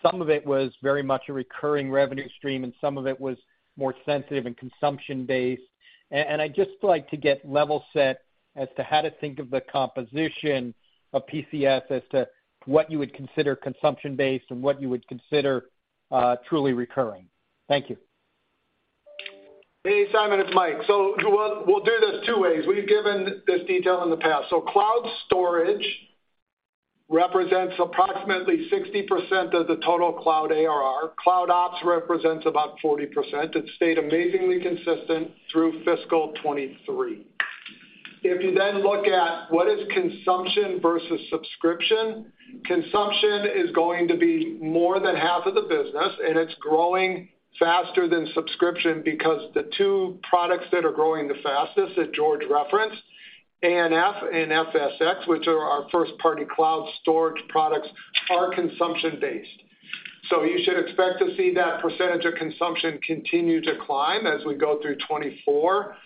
some of it was very much a recurring revenue stream, and some of it was more sensitive and consumption-based. I'd just like to get level set as to how to think of the composition of PCS as to what you would consider consumption-based and what you would consider truly recurring. Thank you. Hey, Simon, it's Mike. We'll do this two ways. We've given this detail in the past. Cloud storage represents approximately 60% of the total cloud ARR. CloudOps represents about 40%. It's stayed amazingly consistent through fiscal 2023. If you then look at what is consumption versus subscription, consumption is going to be more than half of the business, and it's growing faster than subscription because the two products that are growing the fastest, that George referenced, ANF and FSx, which are our first-party cloud storage products, are consumption-based. You should expect to see that percentage of consumption continue to climb as we go through 2024.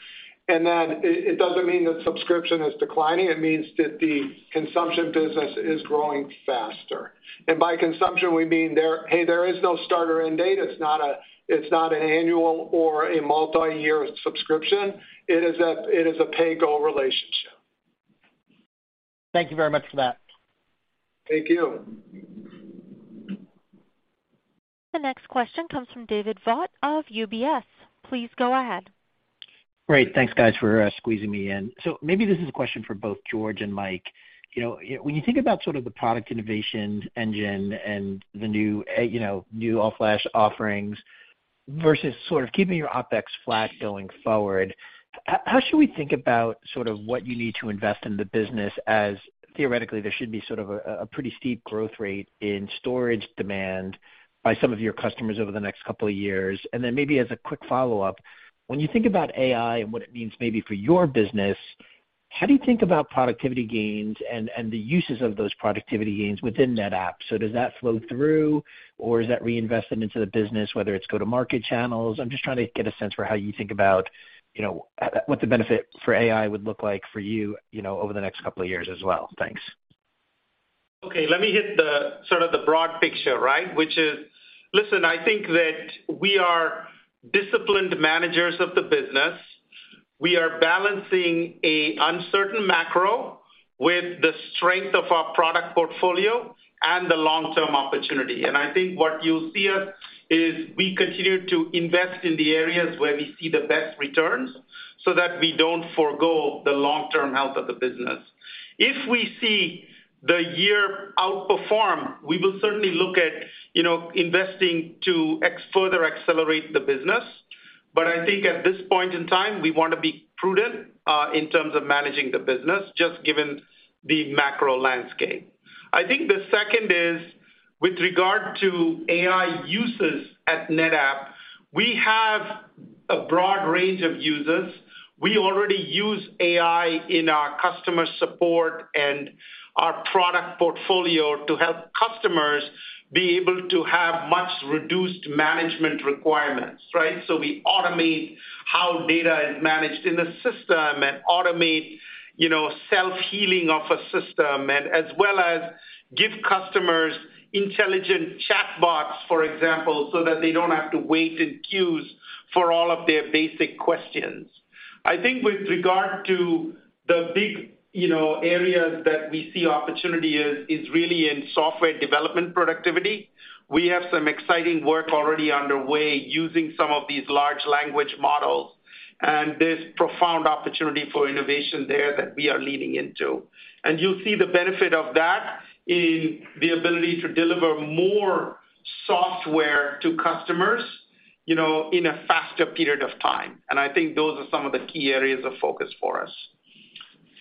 It doesn't mean that subscription is declining. It means that the consumption business is growing faster. By consumption, we mean there is no start or end date. It's not a, it's not an annual or a multiyear subscription. It is a pay-go relationship. Thank you very much for that. Thank you. The next question comes from David Vogt of UBS. Please go ahead. Great. Thanks, guys, for squeezing me in. Maybe this is a question for both George and Mike. You know, when you think about sort of the product innovation engine and the new, you know, new all-flash offerings versus sort of keeping your OpEx flat going forward, how should we think about sort of what you need to invest in the business as theoretically, there should be sort of a pretty steep growth rate in storage demand by some of your customers over the next couple of years? Maybe as a quick follow-up, when you think about AI and what it means maybe for your business, how do you think about productivity gains and the uses of those productivity gains within NetApp? Does that flow through, or is that reinvested into the business, whether it's go to market channels? I'm just trying to get a sense for how you think about, you know, what the benefit for AI would look like for you know, over the next couple of years as well? Thanks. Let me hit the sort of the broad picture, right? Listen, I think that we are disciplined managers of the business. We are balancing an uncertain macro with the strength of our product portfolio and the long-term opportunity. I think what you'll see us is we continue to invest in the areas where we see the best returns, so that we don't forgo the long-term health of the business. If we see the year outperform, we will certainly look at, you know, investing to further accelerate the business. I think at this point in time, we want to be prudent in terms of managing the business, just given the macro landscape. I think the second is, with regard to AI uses at NetApp, we have a broad range of users. We already use AI in our customer support and our product portfolio to help customers be able to have much reduced management requirements, right? We automate how data is managed in the system and automate, you know, self-healing of a system, and as well as give customers intelligent chatbots, for example, so that they don't have to wait in queues for all of their basic questions. I think with regard to the big, you know, areas that we see opportunity is really in software development productivity. We have some exciting work already underway using some of these large language models. There's profound opportunity for innovation there that we are leading into. You'll see the benefit of that in the ability to deliver more software to customers, you know, in a faster period of time. I think those are some of the key areas of focus for us.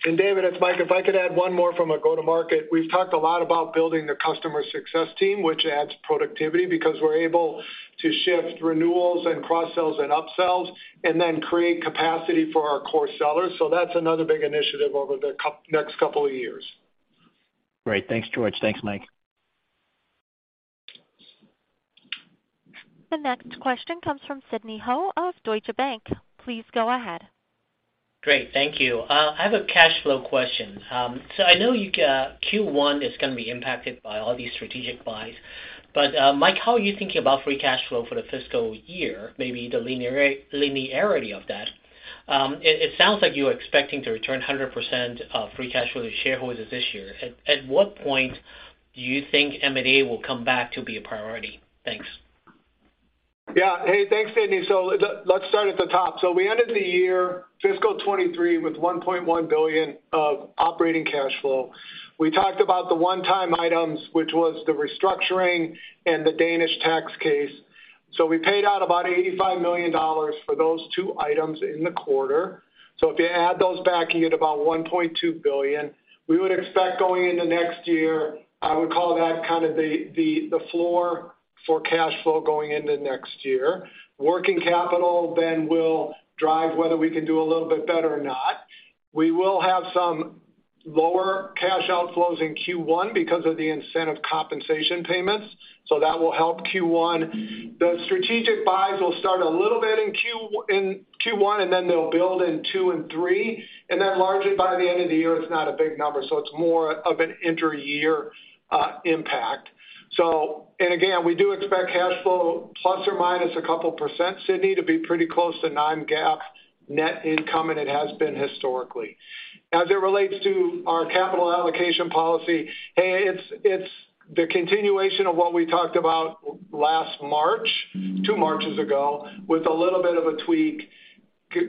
David, it's Mike. If I could add one more from a go-to-market. We've talked a lot about building the customer success team, which adds productivity because we're able to shift renewals and cross-sells and upsells, and then create capacity for our core sellers. That's another big initiative over the next couple of years. Great. Thanks, George. Thanks, Mike. The next question comes from Sidney Ho of Deutsche Bank. Please go ahead. Great. Thank you. I have a cash flow question. I know you got Q1 is gonna be impacted by all these strategic buys, but Mike, how are you thinking about free cash flow for the fiscal year, maybe the linearity of that? It sounds like you are expecting to return 100% of free cash flow to shareholders this year. At what point do you think M&A will come back to be a priority? Thanks. Yeah. Hey, thanks, Sidney. Let's start at the top. We ended the year, fiscal 2023, with $1.1 billion of operating cash flow. We talked about the one-time items, which was the restructuring and the Danish tax case. We paid out about $85 million for those two items in the quarter. If you add those back in, you get about $1.2 billion. We would expect going into next year, I would call that kind of the floor for cash flow going into next year. Working capital will drive whether we can do a little bit better or not. We will have some lower cash outflows in Q1 because of the incentive compensation payments, that will help Q1. The strategic buys will start a little bit in Q1, and then they'll build in two and three, and then largely by the end of the year, it's not a big number, so it's more of an inter-year impact. And again, we do expect cash flow plus or minus a couple percent, Sidney, to be pretty close to non-GAAP net income, and it has been historically. As it relates to our capital allocation policy, hey, it's the continuation of what we talked about last March, two Marches ago, with a little bit of a tweak.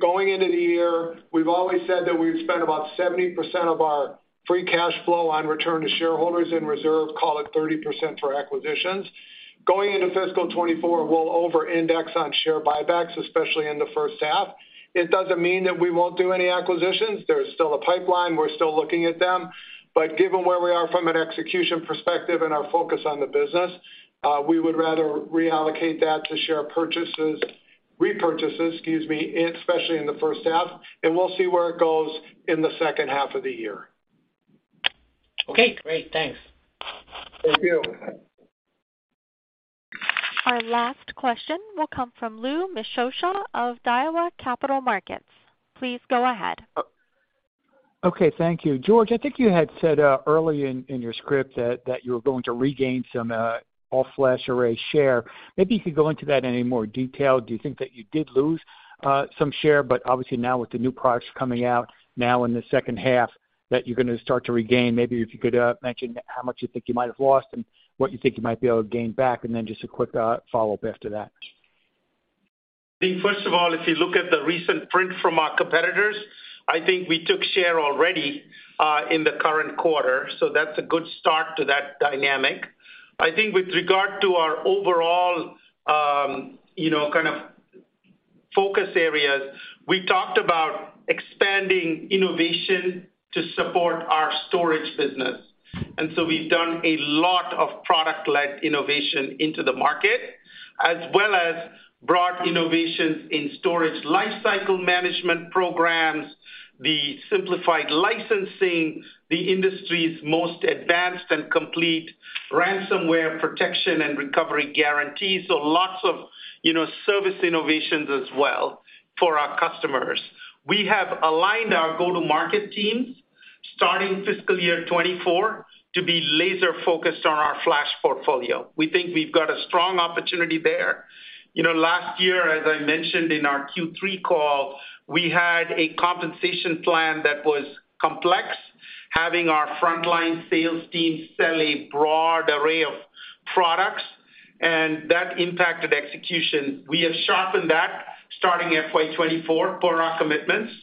Going into the year, we've always said that we would spend about 70% of our free cash flow on return to shareholders in reserve, call it 30% for acquisitions. Going into fiscal 2024, we'll over-index on share buybacks, especially in the first half. It doesn't mean that we won't do any acquisitions. There's still a pipeline. We're still looking at them. Given where we are from an execution perspective and our focus on the business, we would rather reallocate that to share purchases, repurchases, excuse me, especially in the first half, and we'll see where it goes in the second half of the year. Okay, great. Thanks. Thank you. Our last question will come from Louis Miscioscia of Daiwa Capital Markets. Please go ahead. Okay, thank you. George, I think you had said early in your script that you were going to regain some all-flash array share. Maybe you could go into that in any more detail. Do you think that you did lose some share, but obviously now with the new products coming out now in the second half, that you're going to start to regain? Maybe if you could mention how much you think you might have lost and what you think you might be able to gain back, and then just a quick follow-up after that. I think, first of all, if you look at the recent print from our competitors, I think we took share already in the current quarter, so that's a good start to that dynamic. I think with regard to our overall, you know, kind of focus areas, we talked about expanding innovation to support our storage business, and so we've done a lot of product-led innovation into the market, as well as brought innovations in storage lifecycle management programs, the simplified licensing, the industry's most advanced and complete ransomware protection and recovery guarantee. Lots of, you know, service innovations as well for our customers. We have aligned our go-to-market teams, starting fiscal year 2024, to be laser focused on our flash portfolio. We think we've got a strong opportunity there. You know, last year, as I mentioned in our Q3 call, we had a compensation plan that was complex, having our frontline sales team sell a broad array of products, and that impacted execution. We have sharpened that starting FY 2024 for our commitments,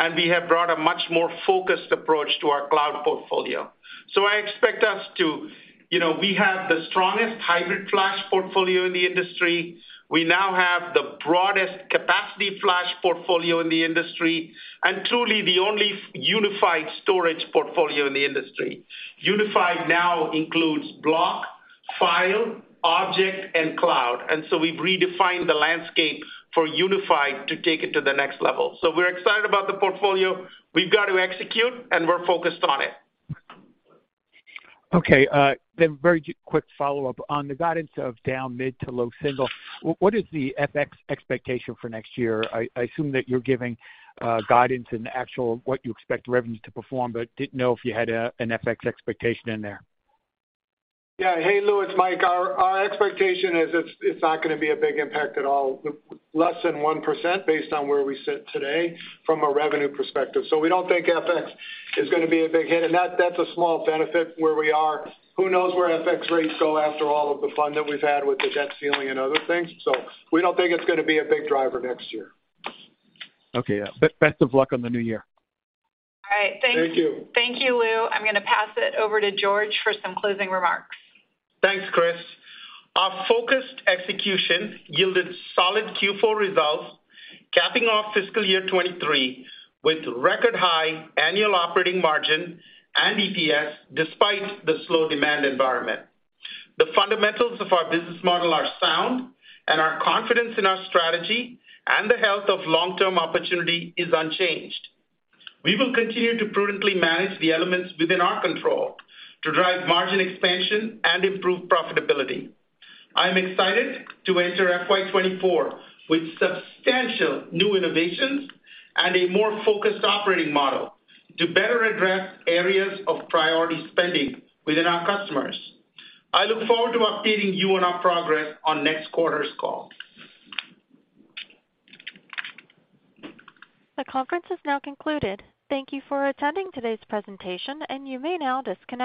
and we have brought a much more focused approach to our cloud portfolio. I expect us to... You know, we have the strongest hybrid flash portfolio in the industry. We now have the broadest capacity flash portfolio in the industry, and truly the only unified storage portfolio in the industry. Unified now includes block, file, object, and cloud, and so we've redefined the landscape for unified to take it to the next level. We're excited about the portfolio. We've got to execute, and we're focused on it. Very quick follow-up. On the guidance of down mid to low single, what is the FX expectation for next year? I assume that you're giving guidance in the actual what you expect revenue to perform, but didn't know if you had an FX expectation in there. Yeah. Hey, Louis, it's Mike. Our expectation is it's not going to be a big impact at all, less than 1% based on where we sit today from a revenue perspective. We don't think FX is going to be a big hit, and that's a small benefit where we are. Who knows where FX rates go after all of the fun that we've had with the debt ceiling and other things? We don't think it's going to be a big driver next year. Okay. Yeah. Best of luck on the new year. All right. Thank you. Thank you, Louis. I'm going to pass it over to George for some closing remarks. Thanks, Kris. Our focused execution yielded solid Q4 results, capping off fiscal year 23 with record high annual operating margin and EPS, despite the slow demand environment. The fundamentals of our business model are sound, and our confidence in our strategy and the health of long-term opportunity is unchanged. We will continue to prudently manage the elements within our control to drive margin expansion and improve profitability. I am excited to enter FY 24 with substantial new innovations and a more focused operating model to better address areas of priority spending within our customers. I look forward to updating you on our progress on next quarter's call. The conference is now concluded. Thank you for attending today's presentation, and you may now disconnect.